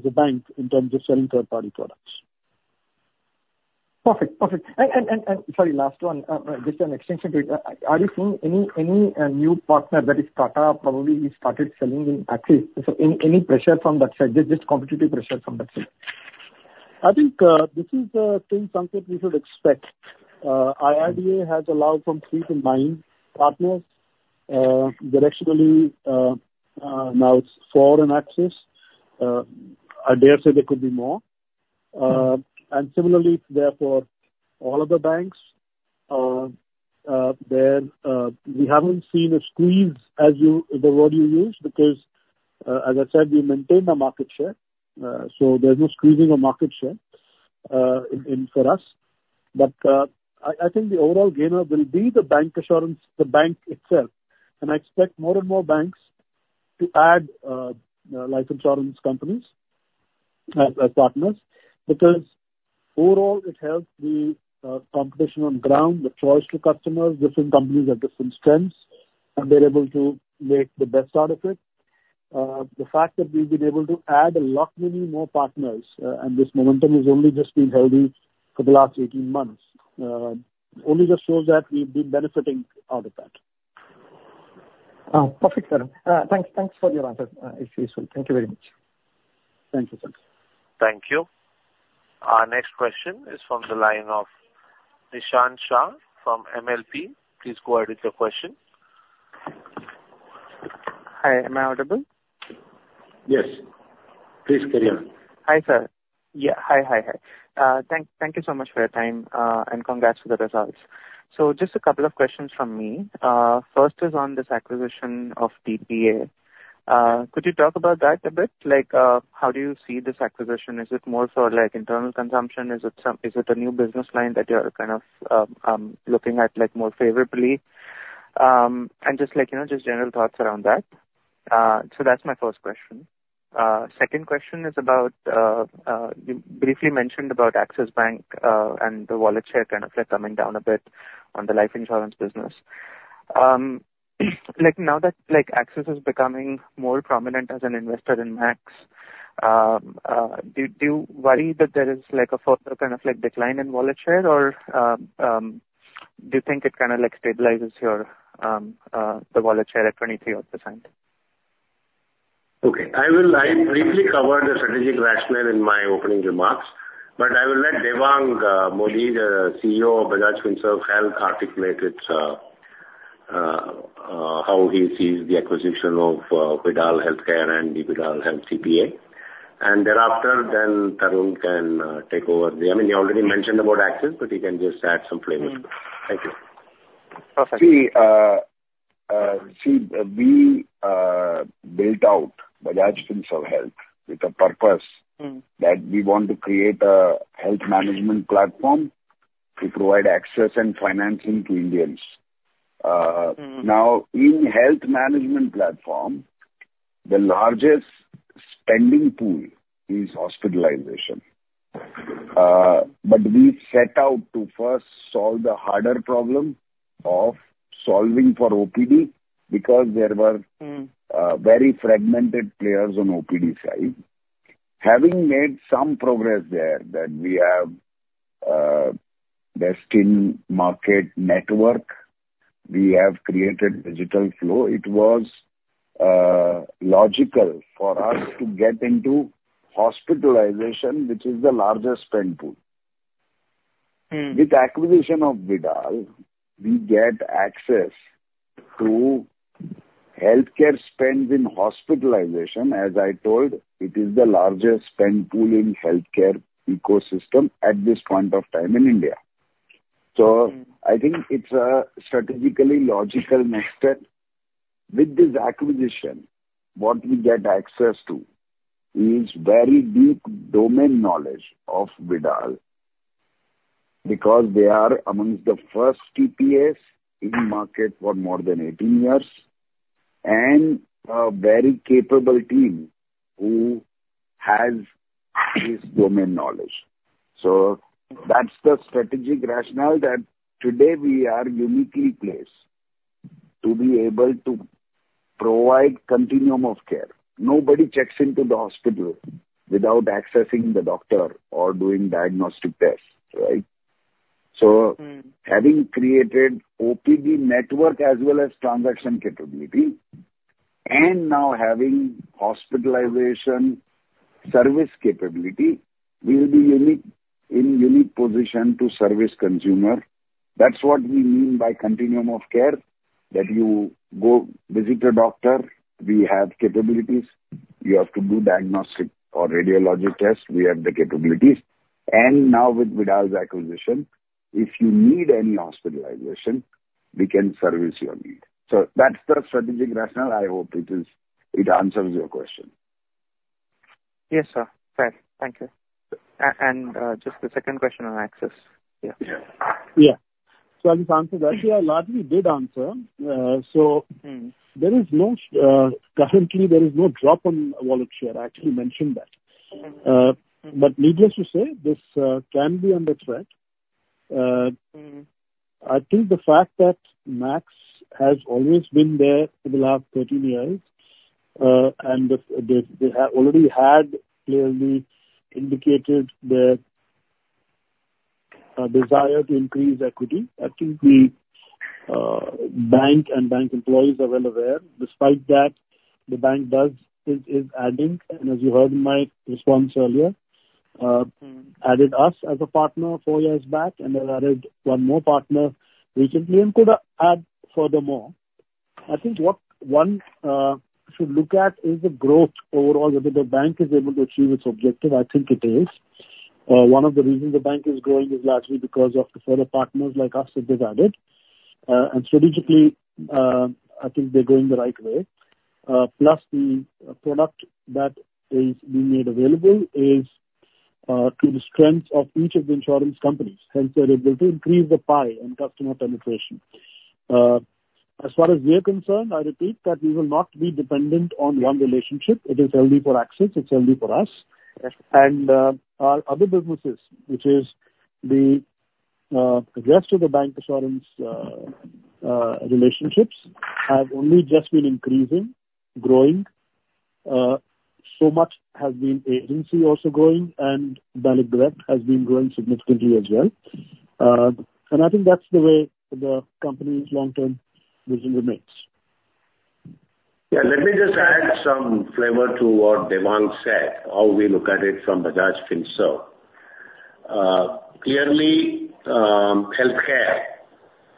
a bank in terms of selling third-party products.
Perfect. Perfect. And, sorry, last one. Just an extension to it. Are you seeing any, any, new partner, that is Tata probably started selling in Axis? So any, any pressure from that side, just, just competitive pressure from that side?
I think, this is the thing, Sanketh, we should expect. IRDAI has allowed from three to nine partners. Directionally, now it's four in Axis. I dare say there could be more. And similarly, therefore, all of the banks-... then, we haven't seen a squeeze as you, the word you used, because, as I said, we maintained our market share. So there's no squeezing of market share, in, in for us. But, I, I think the overall gainer will be the bank assurance, the bank itself, and I expect more and more banks to add, life insurance companies as, as partners. Because overall it helps the, competition on ground, the choice to customers, different companies have different strengths, and they're able to make the best out of it. The fact that we've been able to add a lot many more partners, and this momentum has only just been holding for the last 18 months, only just shows that we've been benefiting out of that.
Perfect, sir. Thanks, thanks for your answer. It's useful. Thank you very much. Thank you, sir.
Thank you. Our next question is from the line of Nishant Shah from MLP. Please go ahead with your question.
Hi, am I audible?
Yes. Please carry on.
Hi, sir. Yeah, hi. Thank you so much for your time, and congrats for the results. So just a couple of questions from me. First is on this acquisition of TPA. Could you talk about that a bit? Like, how do you see this acquisition? Is it more for, like, internal consumption? Is it some— Is it a new business line that you are kind of looking at, like, more favorably? And just like, you know, just general thoughts around that. So that's my first question. Second question is about, you briefly mentioned about Axis Bank, and the wallet share kind of like coming down a bit on the life insurance business. Like, now that, like, Axis is becoming more prominent as an investor in Max, do you, do you worry that there is like a further kind of, like, decline in wallet share or do you think it kind of like stabilizes your, the wallet share at 23%?
Okay. I briefly covered the strategic rationale in my opening remarks, but I will let Devang Mody, the CEO of Bajaj Finserv, help articulate its, how he sees the acquisition of Vidal Healthcare and Vidal Healthcare TPA. And thereafter, Tarun can take over there. I mean, you already mentioned about Axis, but he can just add some flavor.
Mm.
Thank you.
Perfect.
See, we built out Bajaj Finserv Health with a purpose-
Mm.
- that we want to create a health management platform to provide access and financing to Indians.
Mm.
Now, in health management platform, the largest spending pool is hospitalization. But we set out to first solve the harder problem of solving for OPD, because there were-
Mm.
Very fragmented players on OPD side. Having made some progress there, we have extensive market network, we have created digital flow, it was logical for us to get into hospitalization, which is the largest spend pool.
Mm.
With acquisition of Vidal, we get access to healthcare spends in hospitalization. As I told, it is the largest spend pool in healthcare ecosystem at this point of time in India. So-
Mm.
I think it's a strategically logical next step. With this acquisition, what we get access to is very deep domain knowledge of Vidal, because they are amongst the first TPAs in the market for more than 18 years, and a very capable team who has this domain knowledge. So that's the strategic rationale, that today we are uniquely placed to be able to provide continuum of care. Nobody checks into the hospital without accessing the doctor or doing diagnostic tests, right? So-
Mm.
Having created OPD network as well as transaction capability, and now having hospitalization service capability, we will be unique, in unique position to service consumer. That's what we mean by continuum of care, that you go visit a doctor, we have capabilities. You have to do diagnostic or radiologic tests, we have the capabilities. And now with Vidal's acquisition, if you need any hospitalization, we can service your need. So that's the strategic rationale. I hope it is, it answers your question.
Yes, sir. Fair. Thank you. And just the second question on Axis. Yeah.
Yeah.
Yeah. So I'll just answer that. Yeah, largely did answer. So-
Mm.
There is no, currently, there is no drop on wallet share. I actually mentioned that.
Mm-hmm.
But needless to say, this can be under threat.
Mm.
I think the fact that Max has always been there for the last 13 years, and they have already clearly indicated their desire to increase equity. I think the bank and bank employees are well aware. Despite that, the bank is adding, and as you heard in my response earlier,
Mm...
added us as a partner four years back, and then added one more partner recently, and could add furthermore.... I think what one should look at is the growth overall, whether the bank is able to achieve its objective. I think it is. One of the reasons the bank is growing is largely because of the fellow partners like us that they've added. And strategically, I think they're going the right way. Plus the product that is being made available is to the strength of each of the insurance companies, hence they're able to increase the pie and customer penetration. As far as we're concerned, I repeat that we will not be dependent on one relationship. It is healthy for Axis, it's healthy for us. Our other businesses, which is the rest of the bank insurance relationships, have only just been increasing, growing. So much has been agency also growing, and direct has been growing significantly as well. I think that's the way the company's long-term vision remains.
Yeah, let me just add some flavor to what Devang said, how we look at it from Bajaj Finserv. Clearly, healthcare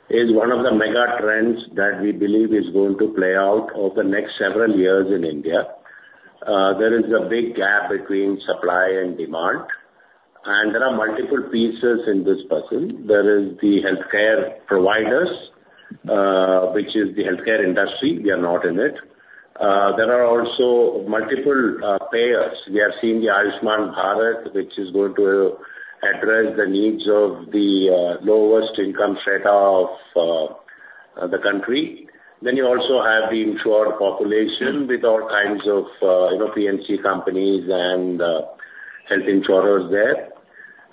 is one of the mega trends that we believe is going to play out over the next several years in India. There is a big gap between supply and demand, and there are multiple pieces in this puzzle. There is the healthcare providers, which is the healthcare industry. We are not in it. There are also multiple payers. We have seen the Ayushman Bharat, which is going to address the needs of the lowest income strata of the country. Then you also have the insured population with all kinds of you know, P&C companies and health insurers there.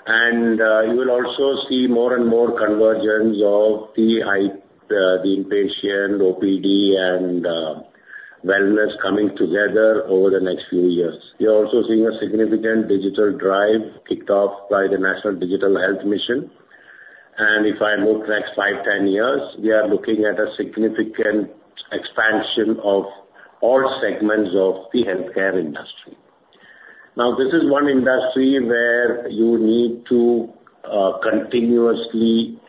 You will also see more and more convergence of the inpatient, OPD, and wellness coming together over the next few years. We are also seeing a significant digital drive kicked off by the National Digital Health Mission. If I look next five, 10 years, we are looking at a significant expansion of all segments of the healthcare industry. Now, this is one industry where you need to continuously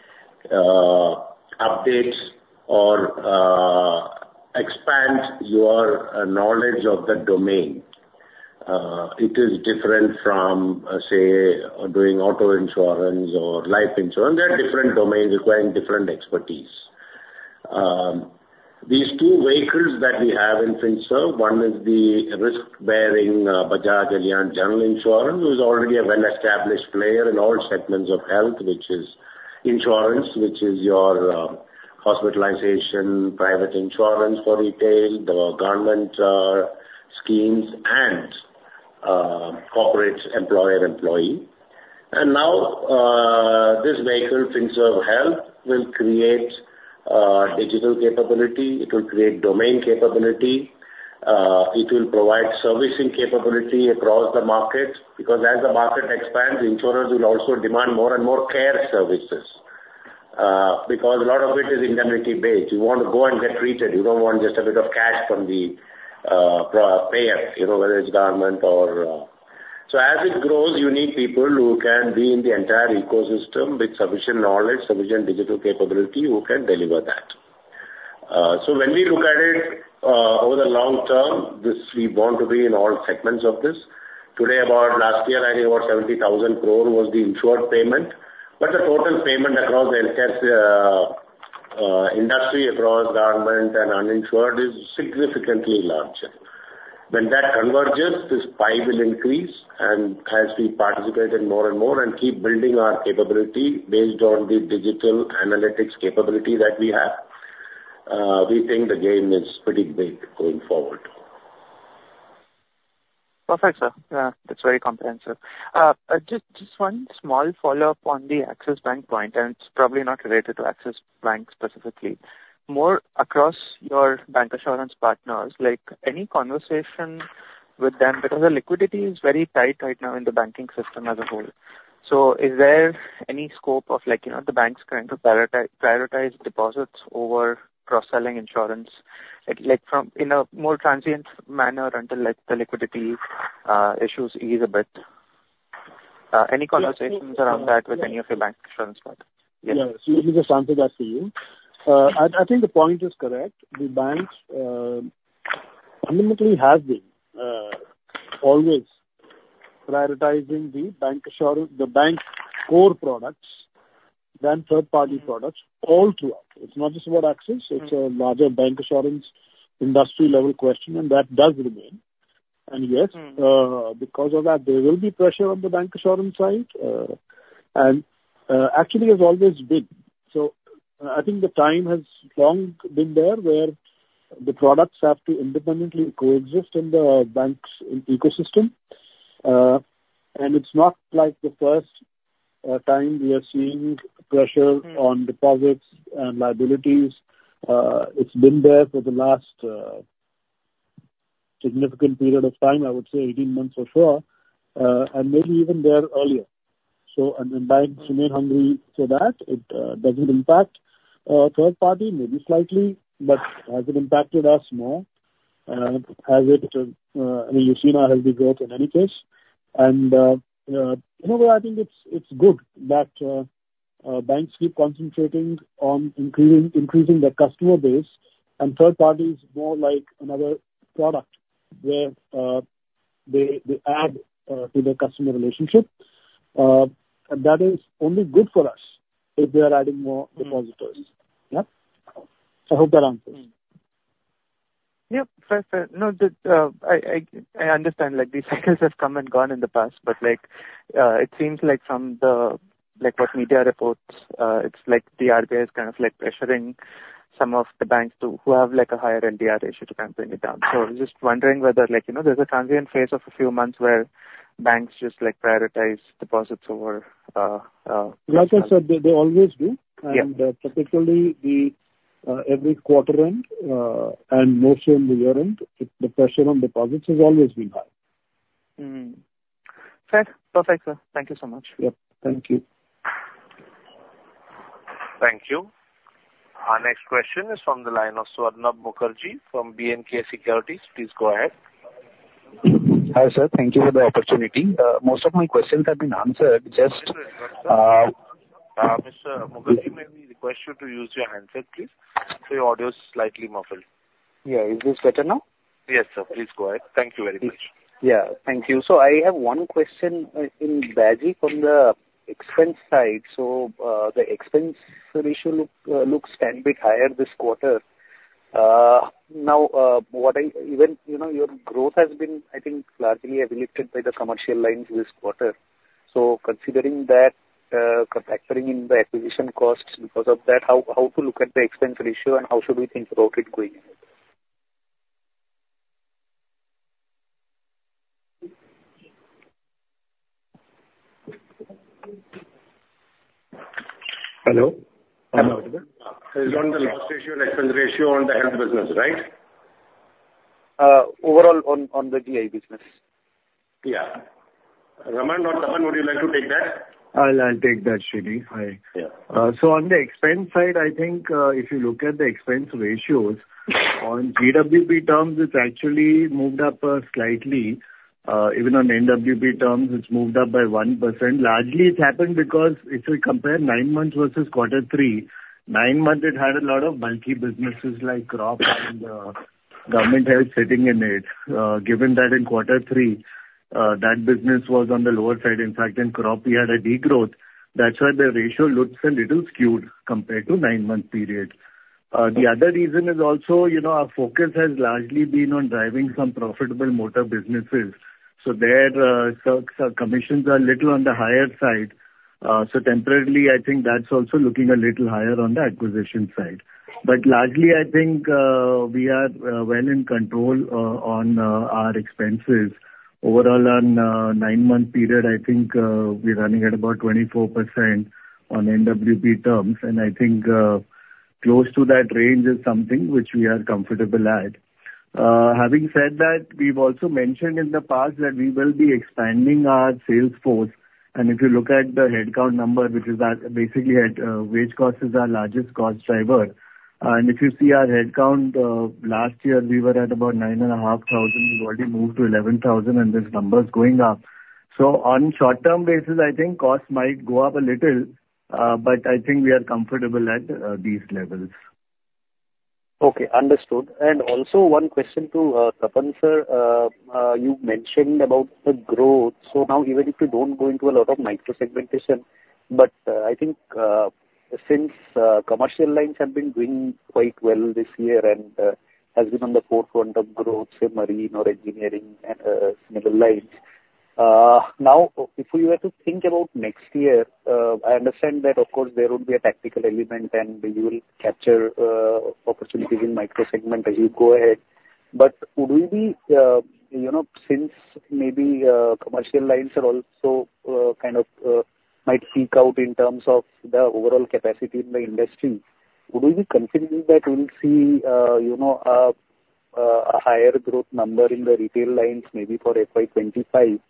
update or expand your knowledge of the domain. It is different from, say, doing auto insurance or life insurance. They're different domains requiring different expertise. These two vehicles that we have in Finserv, one is the risk-bearing, Bajaj Allianz General Insurance, who is already a well-established player in all segments of health, which is insurance, which is your, hospitalization, private insurance for retail, the government, schemes, and, corporate employer-employee. And now, this vehicle, Finserv Health, will create, digital capability, it will create domain capability, it will provide servicing capability across the market, because as the market expands, insurers will also demand more and more care services, because a lot of it is indemnity-based. You want to go and get treated, you don't want just a bit of cash from the, pr- payer, you know, whether it's government or... So as it grows, you need people who can be in the entire ecosystem with sufficient knowledge, sufficient digital capability, who can deliver that. So when we look at it, over the long term, this, we want to be in all segments of this. Today, about last year, I think about 70,000 crore was the insured payment, but the total payment across the healthcare industry, across government and uninsured, is significantly larger. When that converges, this pie will increase, and as we participate in more and more and keep building our capability based on the digital analytics capability that we have, we think the game is pretty big going forward.
Perfect, sir. That's very comprehensive. Just one small follow-up on the Axis Bank point, and it's probably not related to Axis Bank specifically, more across your bank insurance partners, like, any conversation with them? Because the liquidity is very tight right now in the banking system as a whole. So is there any scope of, like, you know, the banks trying to prioritize deposits over cross-selling insurance, like, from, in a more transient manner until, like, the liquidity issues ease a bit? Any conversations around that with any of your bank insurance partners?
Yes. Let me just answer that for you. I think the point is correct. The banks ultimately have been always prioritizing the bank insurance, the bank core products than third-party products all throughout. It's not just about Axis, it's a larger bank insurance, industry-level question, and that does remain. And yes, because of that, there will be pressure on the bank insurance side, and actually there's always been. So I think the time has long been there, where the products have to independently coexist in the bank's ecosystem. And it's not like the first time we are seeing pressure on deposits and liabilities. It's been there for the last significant period of time, I would say 18 months for sure, and maybe even there earlier. So and the banks remain hungry for that. It doesn't impact third party, maybe slightly, but has it impacted us more? Has it... I mean, you've seen our healthy growth in any case. And in a way, I think it's good that,... banks keep concentrating on increasing their customer base, and third party is more like another product where they add to the customer relationship. That is only good for us if they are adding more depositors. Yeah? I hope that answers.
Yep, fair. No, I understand, like, these cycles have come and gone in the past, but, like, it seems like from the, like, what media reports, it's like the RBI is kind of like pressuring some of the banks to who have, like, a higher NDR ratio to kind of bring it down. So I'm just wondering whether, like, you know, there's a transient phase of a few months where banks just, like, prioritize deposits over.
Like I said, they always do.
Yeah.
Particularly every quarter end and mostly in the year-end, the pressure on deposits has always been high.
Mm. Fair. Perfect, sir. Thank you so much.
Yep. Thank you.
Thank you. Our next question is from the line of Swarnabha Mukherjee from B&K Securities. Please go ahead.
Hi, sir. Thank you for the opportunity. Most of my questions have been answered. Just,
Mr. Mukherjee, may we request you to use your handset, please? So your audio is slightly muffled.
Yeah. Is this better now?
Yes, sir. Please go ahead. Thank you very much.
Yeah. Thank you. So I have one question on Bajaj from the expense side. So, the expense ratio looks a bit higher this quarter. Now, even, you know, your growth has been, I think, largely driven by the commercial lines this quarter. So considering that, factoring in the acquisition costs because of that, how to look at the expense ratio and how should we think about it going?
Hello?
Hello.
It's on the loss ratio and expense ratio on the health business, right?
Overall, on the GI business.
Yeah. Raman or Tapan, would you like to take that?
I'll take that, Sreeni.
Yeah.
So on the expense side, I think, if you look at the expense ratios, on GWP terms, it's actually moved up, slightly. Even on NWP terms, it's moved up by 1%. Largely it's happened because if you compare nine months versus quarter three, nine months, it had a lot of bulky businesses like crop and, government health sitting in it. Given that in quarter three, that business was on the lower side. In fact, in crop we had a degrowth. That's why the ratio looks a little skewed compared to nine-month period. The other reason is also, you know, our focus has largely been on driving some profitable motor businesses. So there, so, so commissions are a little on the higher side. So temporarily, I think that's also looking a little higher on the acquisition side. But largely, I think, we are well in control on our expenses. Overall, on nine-month period, I think, we're running at about 24% on NWP terms, and I think, close to that range is something which we are comfortable at. Having said that, we've also mentioned in the past that we will be expanding our sales force, and if you look at the headcount number, which is at, basically at wage cost, is our largest cost driver. And if you see our headcount, last year we were at about 9,500. We've already moved to 11,000, and this number is going up. So on short-term basis, I think costs might go up a little, but I think we are comfortable at these levels.
Okay, understood. And also one question to Tapan, sir. You mentioned about the growth. So now even if you don't go into a lot of micro segmentation, but I think since commercial lines have been doing quite well this year and has been on the forefront of growth in marine or engineering and similar lines. Now, if we were to think about next year, I understand that of course there would be a tactical element and you will capture opportunities in micro segment as you go ahead. But would we, you know, since maybe commercial lines are also kind of might peak out in terms of the overall capacity in the industry, would we be considering that we'll see, you know, a higher growth number in the retail lines, maybe for FY 2025,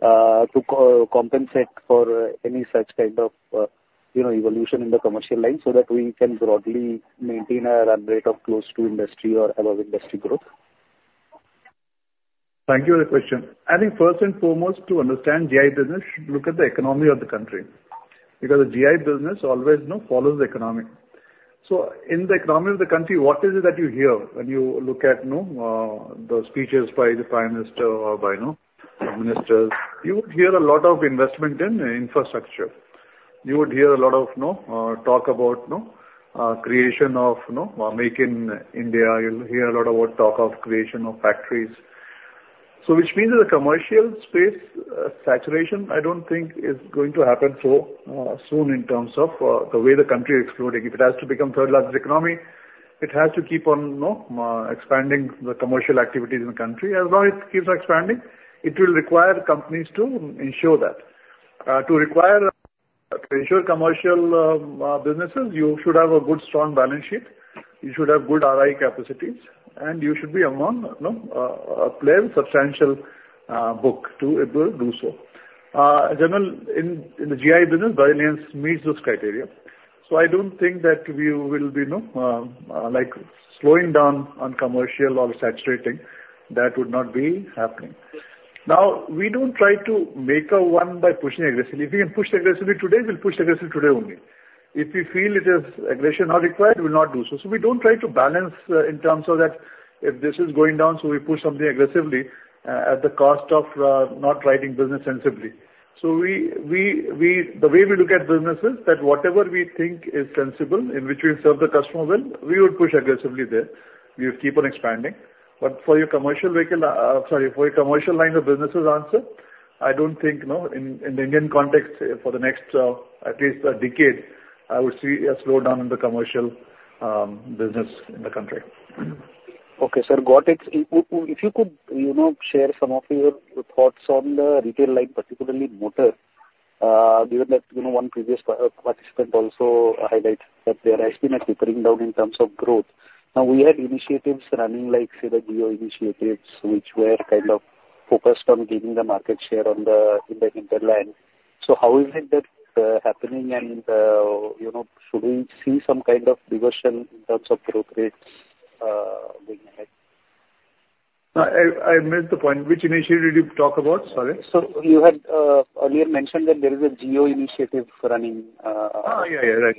to compensate for any such kind of, you know, evolution in the commercial lines so that we can broadly maintain a run rate of close to industry or above industry growth?
Thank you for the question. I think first and foremost, to understand GI business, you should look at the economy of the country, because the GI business always, you know, follows the economy. So in the economy of the country, what is it that you hear when you look at, you know, the speeches by the Prime Minister or by, you know, ministers? You would hear a lot of investment in infrastructure. You would hear a lot of, you know, talk about, you know, creation of, you know, Make in India. You'll hear a lot of talk of creation of factories. So which means that the commercial space saturation, I don't think is going to happen so soon in terms of the way the country is exploding. If it has to become third largest economy, it has to keep on, you know, expanding the commercial activities in the country. As long as it keeps expanding, it will require companies to ensure that. To require ensure commercial businesses, you should have a good, strong balance sheet, you should have good RI capacities, and you should be among, you know, a player with substantial book to able to do so. General, in the GI business, Allianz meets this criteria. So I don't think that we will be, you know, like slowing down on commercial or saturating. That would not be happening.... Now, we don't try to make a one by pushing aggressively. If we can push aggressively today, we'll push aggressively today only. If we feel it is aggression not required, we'll not do so. So we don't try to balance, in terms of that, if this is going down, so we push something aggressively, at the cost of not writing business sensibly. The way we look at business is that whatever we think is sensible, in which we serve the customer well, we would push aggressively there. We would keep on expanding. But for your commercial vehicle, sorry, for your commercial line of businesses answer, I don't think, you know, in the Indian context, for the next, at least a decade, I would see a slowdown in the commercial business in the country.
Okay, sir, got it. If you could, you know, share some of your thoughts on the retail line, particularly motor, given that, you know, one previous participant also highlight that there has been a tapering down in terms of growth. Now, we had initiatives running, like, say, the Geo initiatives, which were kind of focused on gaining the market share on the, in the retail line. So how is it that happening? And, you know, should we see some kind of diversion in terms of growth rates, going ahead?
I missed the point. Which initiative did you talk about? Sorry.
You had earlier mentioned that there is a geo initiative running.
Right.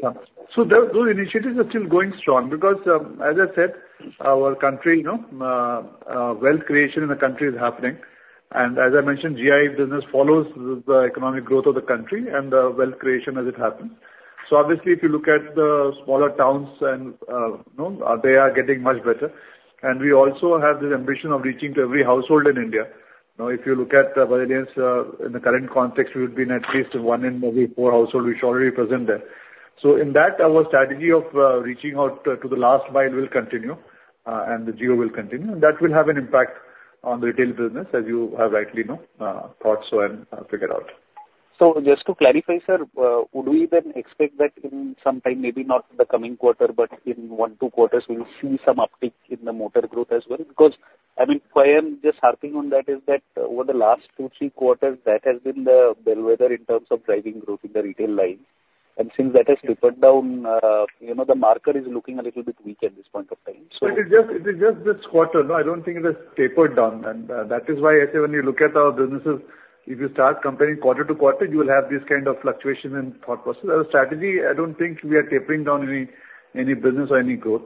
So those, those initiatives are still going strong because, as I said, our country, you know, wealth creation in the country is happening. And as I mentioned, GI business follows the economic growth of the country and the wealth creation as it happens. So obviously, if you look at the smaller towns and, you know, they are getting much better. And we also have this ambition of reaching to every household in India. Now, if you look at the reliance, in the current context, we would be in at least one in maybe four household, which already present there. So in that, our strategy of, reaching out to the last mile will continue, and the geo will continue. And that will have an impact on the retail business, as you have rightly know, thought so and figured out.
So just to clarify, sir, would we then expect that in some time, maybe not in the coming quarter, but in one, two quarters, we'll see some uptick in the motor growth as well? Because, I mean, why I'm just harping on that is that over the last two, three quarters, that has been the bellwether in terms of driving growth in the retail line. And since that has tapered down, you know, the market is looking a little bit weak at this point of time, so.
It is just, it is just this quarter. No, I don't think it has tapered down. And, that is why I say when you look at our businesses, if you start comparing quarter to quarter, you will have this kind of fluctuation in thought process. As a strategy, I don't think we are tapering down any, any business or any growth.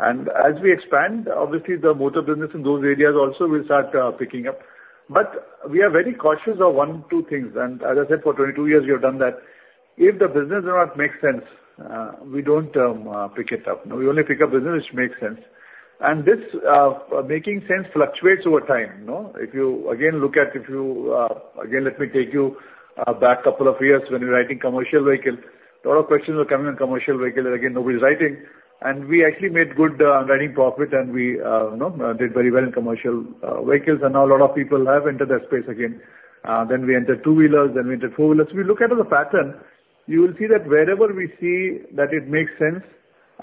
And as we expand, obviously the motor business in those areas also will start, picking up. But we are very cautious of one, two things, and as I said, for 22 years, we have done that. If the business will not make sense, we don't, pick it up. No, we only pick up business which makes sense. And this, making sense fluctuates over time, no? If you again, look at, if you... Again, let me take you back a couple of years when you're writing commercial vehicle. A lot of questions were coming on commercial vehicle, and again, nobody's writing. And we actually made good writing profit, and we you know, did very well in commercial vehicles. And now a lot of people have entered that space again. Then we entered two-wheelers, then we entered four-wheelers. We look at the pattern, you will see that wherever we see that it makes sense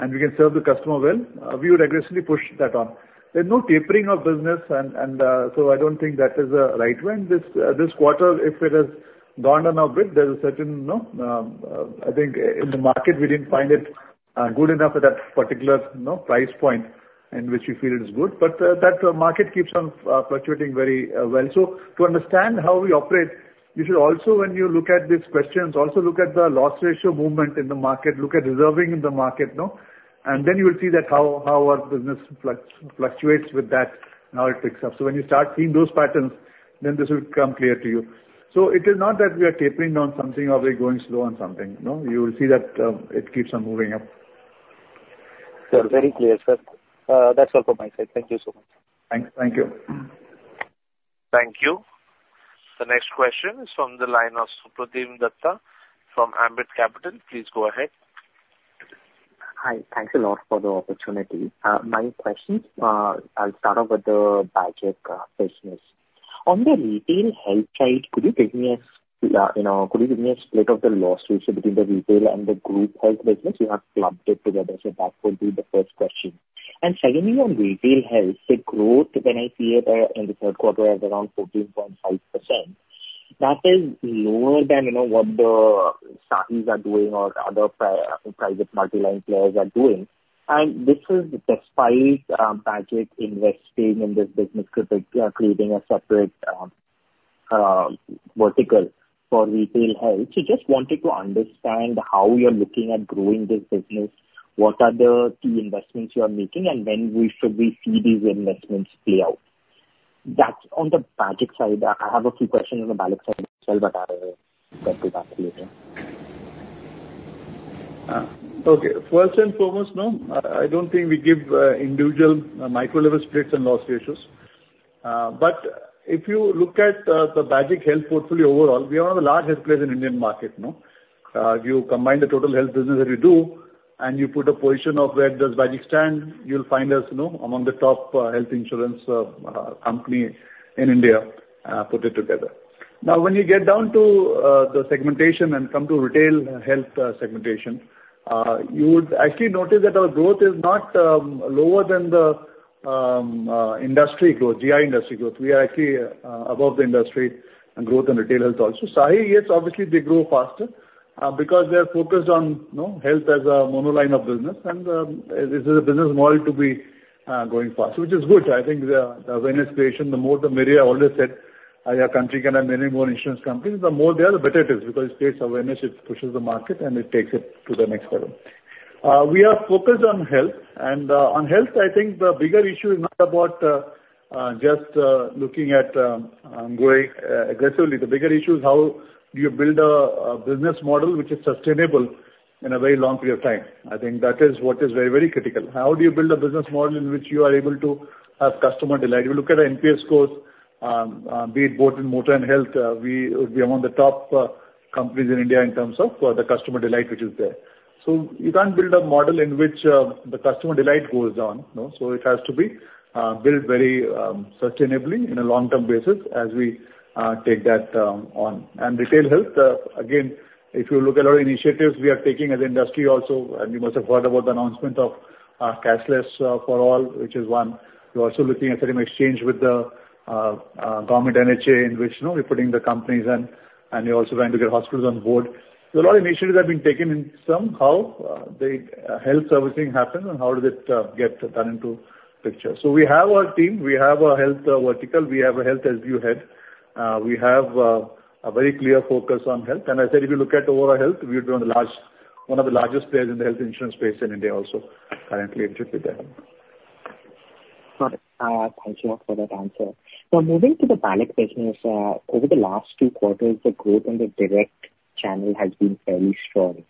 and we can serve the customer well, we would aggressively push that on. There's no tapering of business. And, and so I don't think that is the right way. This quarter, if it has gone down a bit, there's a certain, you know, I think in the market, we didn't find it good enough for that particular, you know, price point in which you feel it is good. But that market keeps on fluctuating very well. So to understand how we operate, you should also, when you look at these questions, also look at the loss ratio movement in the market, look at reserving in the market, no? And then you will see that how our business fluctuates with that and how it picks up. So when you start seeing those patterns, then this will become clear to you. So it is not that we are tapering down something or we're going slow on something, no? You will see that it keeps on moving up.
Sir, very clear, sir. That's all from my side. Thank you so much.
Thank you.
Thank you. The next question is from the line of Supratim Datta from Ambit Capital. Please go ahead.
Hi. Thanks a lot for the opportunity. My questions, I'll start off with the Bajaj business. On the retail health side, could you give me a, you know, could you give me a split of the loss ratio between the retail and the group health business? You have clubbed it together. So that would be the first question. And secondly, on retail health, the growth, when I see it, in the third quarter as around 14.5%, that is lower than, you know, what the SAHI are doing or other private multi-line players are doing. And this is despite, Bajaj investing in this business, creating, creating a separate, vertical for retail health. So just wanted to understand how you're looking at growing this business, what are the key investments you are making, and when we should see these investments play out? That's on the Bajaj side. I have a few questions on the Bajaj side as well, but I'll get to that later.
Okay. First and foremost, no, I don't think we give individual micro-level splits and loss ratios. But if you look at the Bajaj Health portfolio overall, we are one of the large health players in Indian market, no? You combine the total health business that we do, and you put a position of where does Bajaj stand, you'll find us, you know, among the top health insurance company in India, put it together. Now, when you get down to the segmentation and come to retail health segmentation, you would actually notice that our growth is not lower than the industry growth, GI industry growth. We are actually above the industry growth in retail health also. SAHI, yes, obviously, they grow faster. Because they are focused on, you know, health as a monoline of business, and it is a business model to be going fast, which is good. I think the awareness creation, the more the merrier. I always said, our country can have many more insurance companies. The more they are, the better it is, because it creates awareness, it pushes the market, and it takes it to the next level. We are focused on health, and on health, I think the bigger issue is not about just looking at growing aggressively. The bigger issue is how do you build a business model which is sustainable in a very long period of time? I think that is what is very, very critical. How do you build a business model in which you are able to have customer delight? If you look at our NPS scores, be it both in motor and health, we're among the top companies in India in terms of the customer delight which is there. So you can't build a model in which the customer delight goes down, no? So it has to be built very sustainably in a long-term basis as we take that on. And retail health, again, if you look at our initiatives, we are taking as industry also, and you must have heard about the announcement of cashless for all, which is one. We're also looking at an exchange with the government NHA, in which, you know, we're putting the companies in, and we're also trying to get hospitals on board. There are a lot of initiatives that have been taken in somehow the health servicing happens, and how does it get turned into picture? So we have our team, we have our health vertical, we have a health as view head. We have a very clear focus on health. And I said if you look at overall health, we would be on the large-- one of the largest players in the health insurance space in India also, currently with that.
Got it. Thank you for that answer. Now, moving to the life business, over the last two quarters, the growth in the direct channel has been very strong.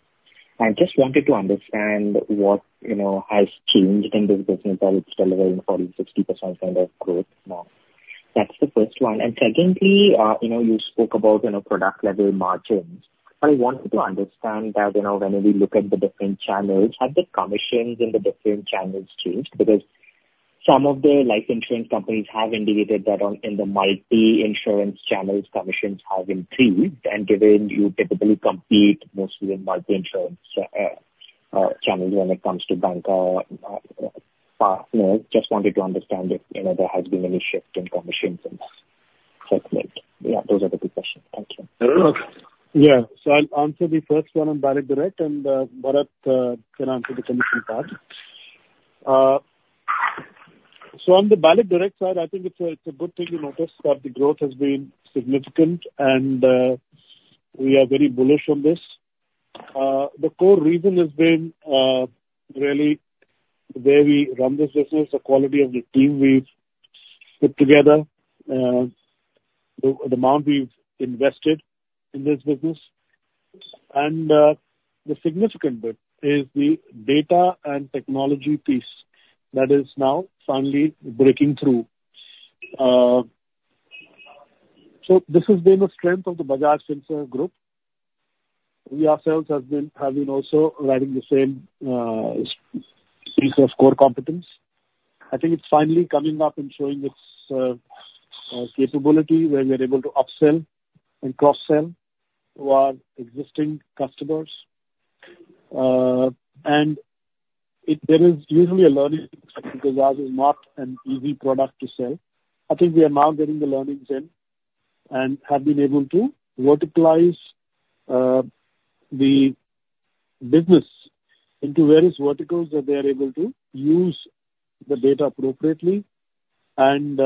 I just wanted to understand what, you know, has changed in this business that it's delivering 40%-60% kind of growth now. That's the first one. And secondly, you know, you spoke about, you know, product level margins. I wanted to understand that, you know, when we look at the different channels, have the commissions in the different channels changed? Because some of the life insurance companies have indicated that in the multi-insurer channels, commissions have increased. And given you typically compete mostly in multi-insurer channels when it comes to bank partners, just wanted to understand if, you know, there has been any shift in commissions in this segment. Yeah, those are the two questions. Thank you.
No, no, okay.
Yeah. So I'll answer the first one on Bajaj Direct, and Bharat can answer the commission part. So on the Bajaj Direct side, I think it's a good thing you noticed that the growth has been significant, and we are very bullish on this. The core reason has been really where we run this business, the quality of the team we've put together, the amount we've invested in this business. And the significant bit is the data and technology piece that is now finally breaking through. So this has been the strength of the Bajaj Finserv group. We ourselves have been also riding the same piece of core competence. I think it's finally coming up and showing its capability, where we are able to upsell and cross-sell to our existing customers. There is usually a learning because ours is not an easy product to sell. I think we are now getting the learnings in, and have been able to verticalize the business into various verticals, that they are able to use the data appropriately, and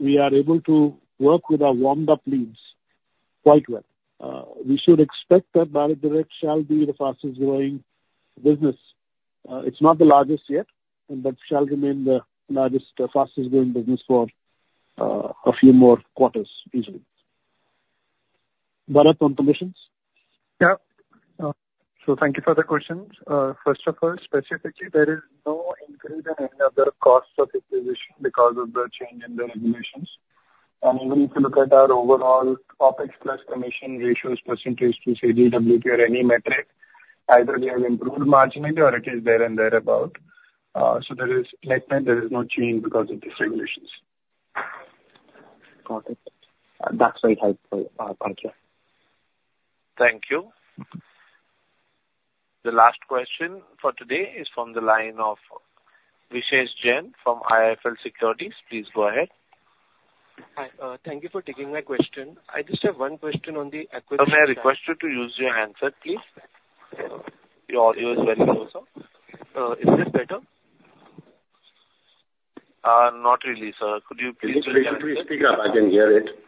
we are able to work with our warmed-up leads quite well. We should expect that Bajaj Direct shall be the fastest growing business. It's not the largest yet, but shall remain the largest, fastest growing business for a few more quarters usually. Bharat, on commissions?
Yeah. So thank you for the questions. First of all, specifically, there is no increase in any other costs of acquisition because of the change in the regulations. And even if you look at our overall OpEx plus commission ratios percentage to GDWP or any metric, either we have improved marginally or it is there and thereabout. So there is, net-net, there is no change because of these regulations.
Got it. That's very helpful. Thank you.
Thank you. The last question for today is from the line of Vishesh Jain from IIFL Securities. Please go ahead.
Hi, thank you for taking my question. I just have one question on the acquisition-
Sir, may I request you to use your handset, please? Your audio is very low, sir.
Is this better?
Not really, sir. Could you please-
Please, please speak up, I can hear it.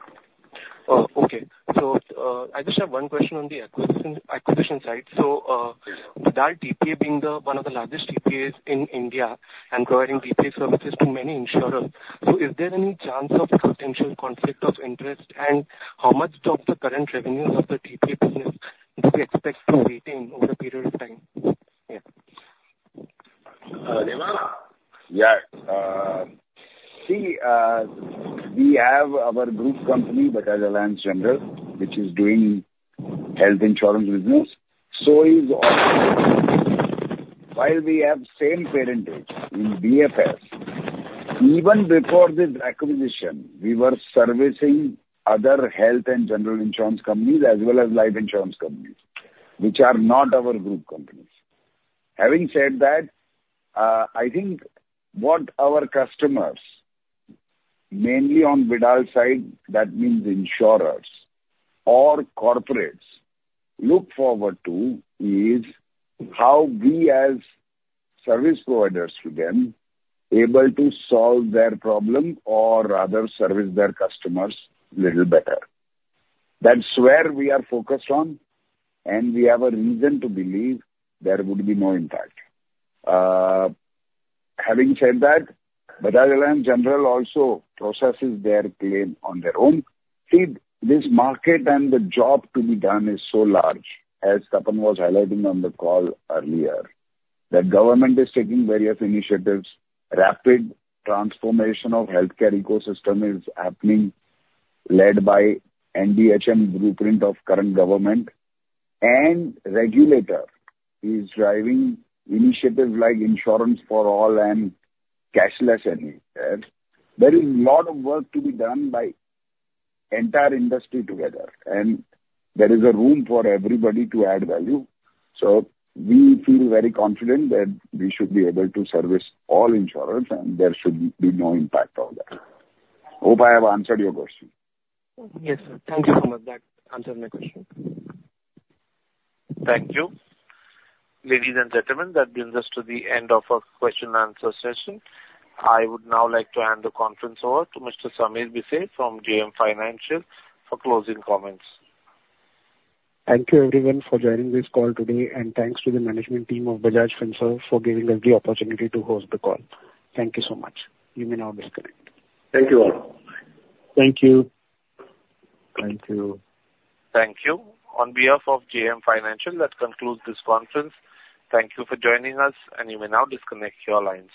Okay. So, I just have one question on the acquisition, acquisitions side. So, Bajaj TPA being the, one of the largest TPAs in India and providing TPA services to many insurers, so is there any chance of potential conflict of interest, and how much of the current revenues of the TPA business do we expect from retaining over a period of time? Yeah.
Uh, Devang.
Yeah. See, we have our group company, Bajaj Allianz General, which is doing health insurance business, so, while we have same parentage in BFS, even before this acquisition, we were servicing other health and general insurance companies as well as life insurance companies, which are not our group companies. Having said that, I think what our customers—mainly on Vidal side, that means insurers or corporates—look forward to is how we as service providers to them, able to solve their problem or rather service their customers little better. That's where we are focused on, and we have a reason to believe there would be no impact. Having said that, Bajaj Allianz General also processes their claim on their own. See, this market and the job to be done is so large, as Tapan was highlighting on the call earlier, that government is taking various initiatives. Rapid transformation of healthcare ecosystem is happening, led by NDHM blueprint of current government, and regulator is driving initiatives like Insurance For All and cashless initiatives. There is a lot of work to be done by entire industry together, and there is a room for everybody to add value. So we feel very confident that we should be able to service all insurers, and there should be no impact of that. Hope I have answered your question.
Yes, sir. Thank you so much. That answered my question.
Thank you. Ladies and gentlemen, that brings us to the end of our question and answer session. I would now like to hand the conference over to Mr. Samir Bhise from JM Financial for closing comments.
Thank you, everyone, for joining this call today, and thanks to the management team of Bajaj Finserv for giving us the opportunity to host the call. Thank you so much. You may now disconnect.
Thank you, all.
Thank you.
Thank you.
Thank you. On behalf of JM Financial, that concludes this conference. Thank you for joining us, and you may now disconnect your lines.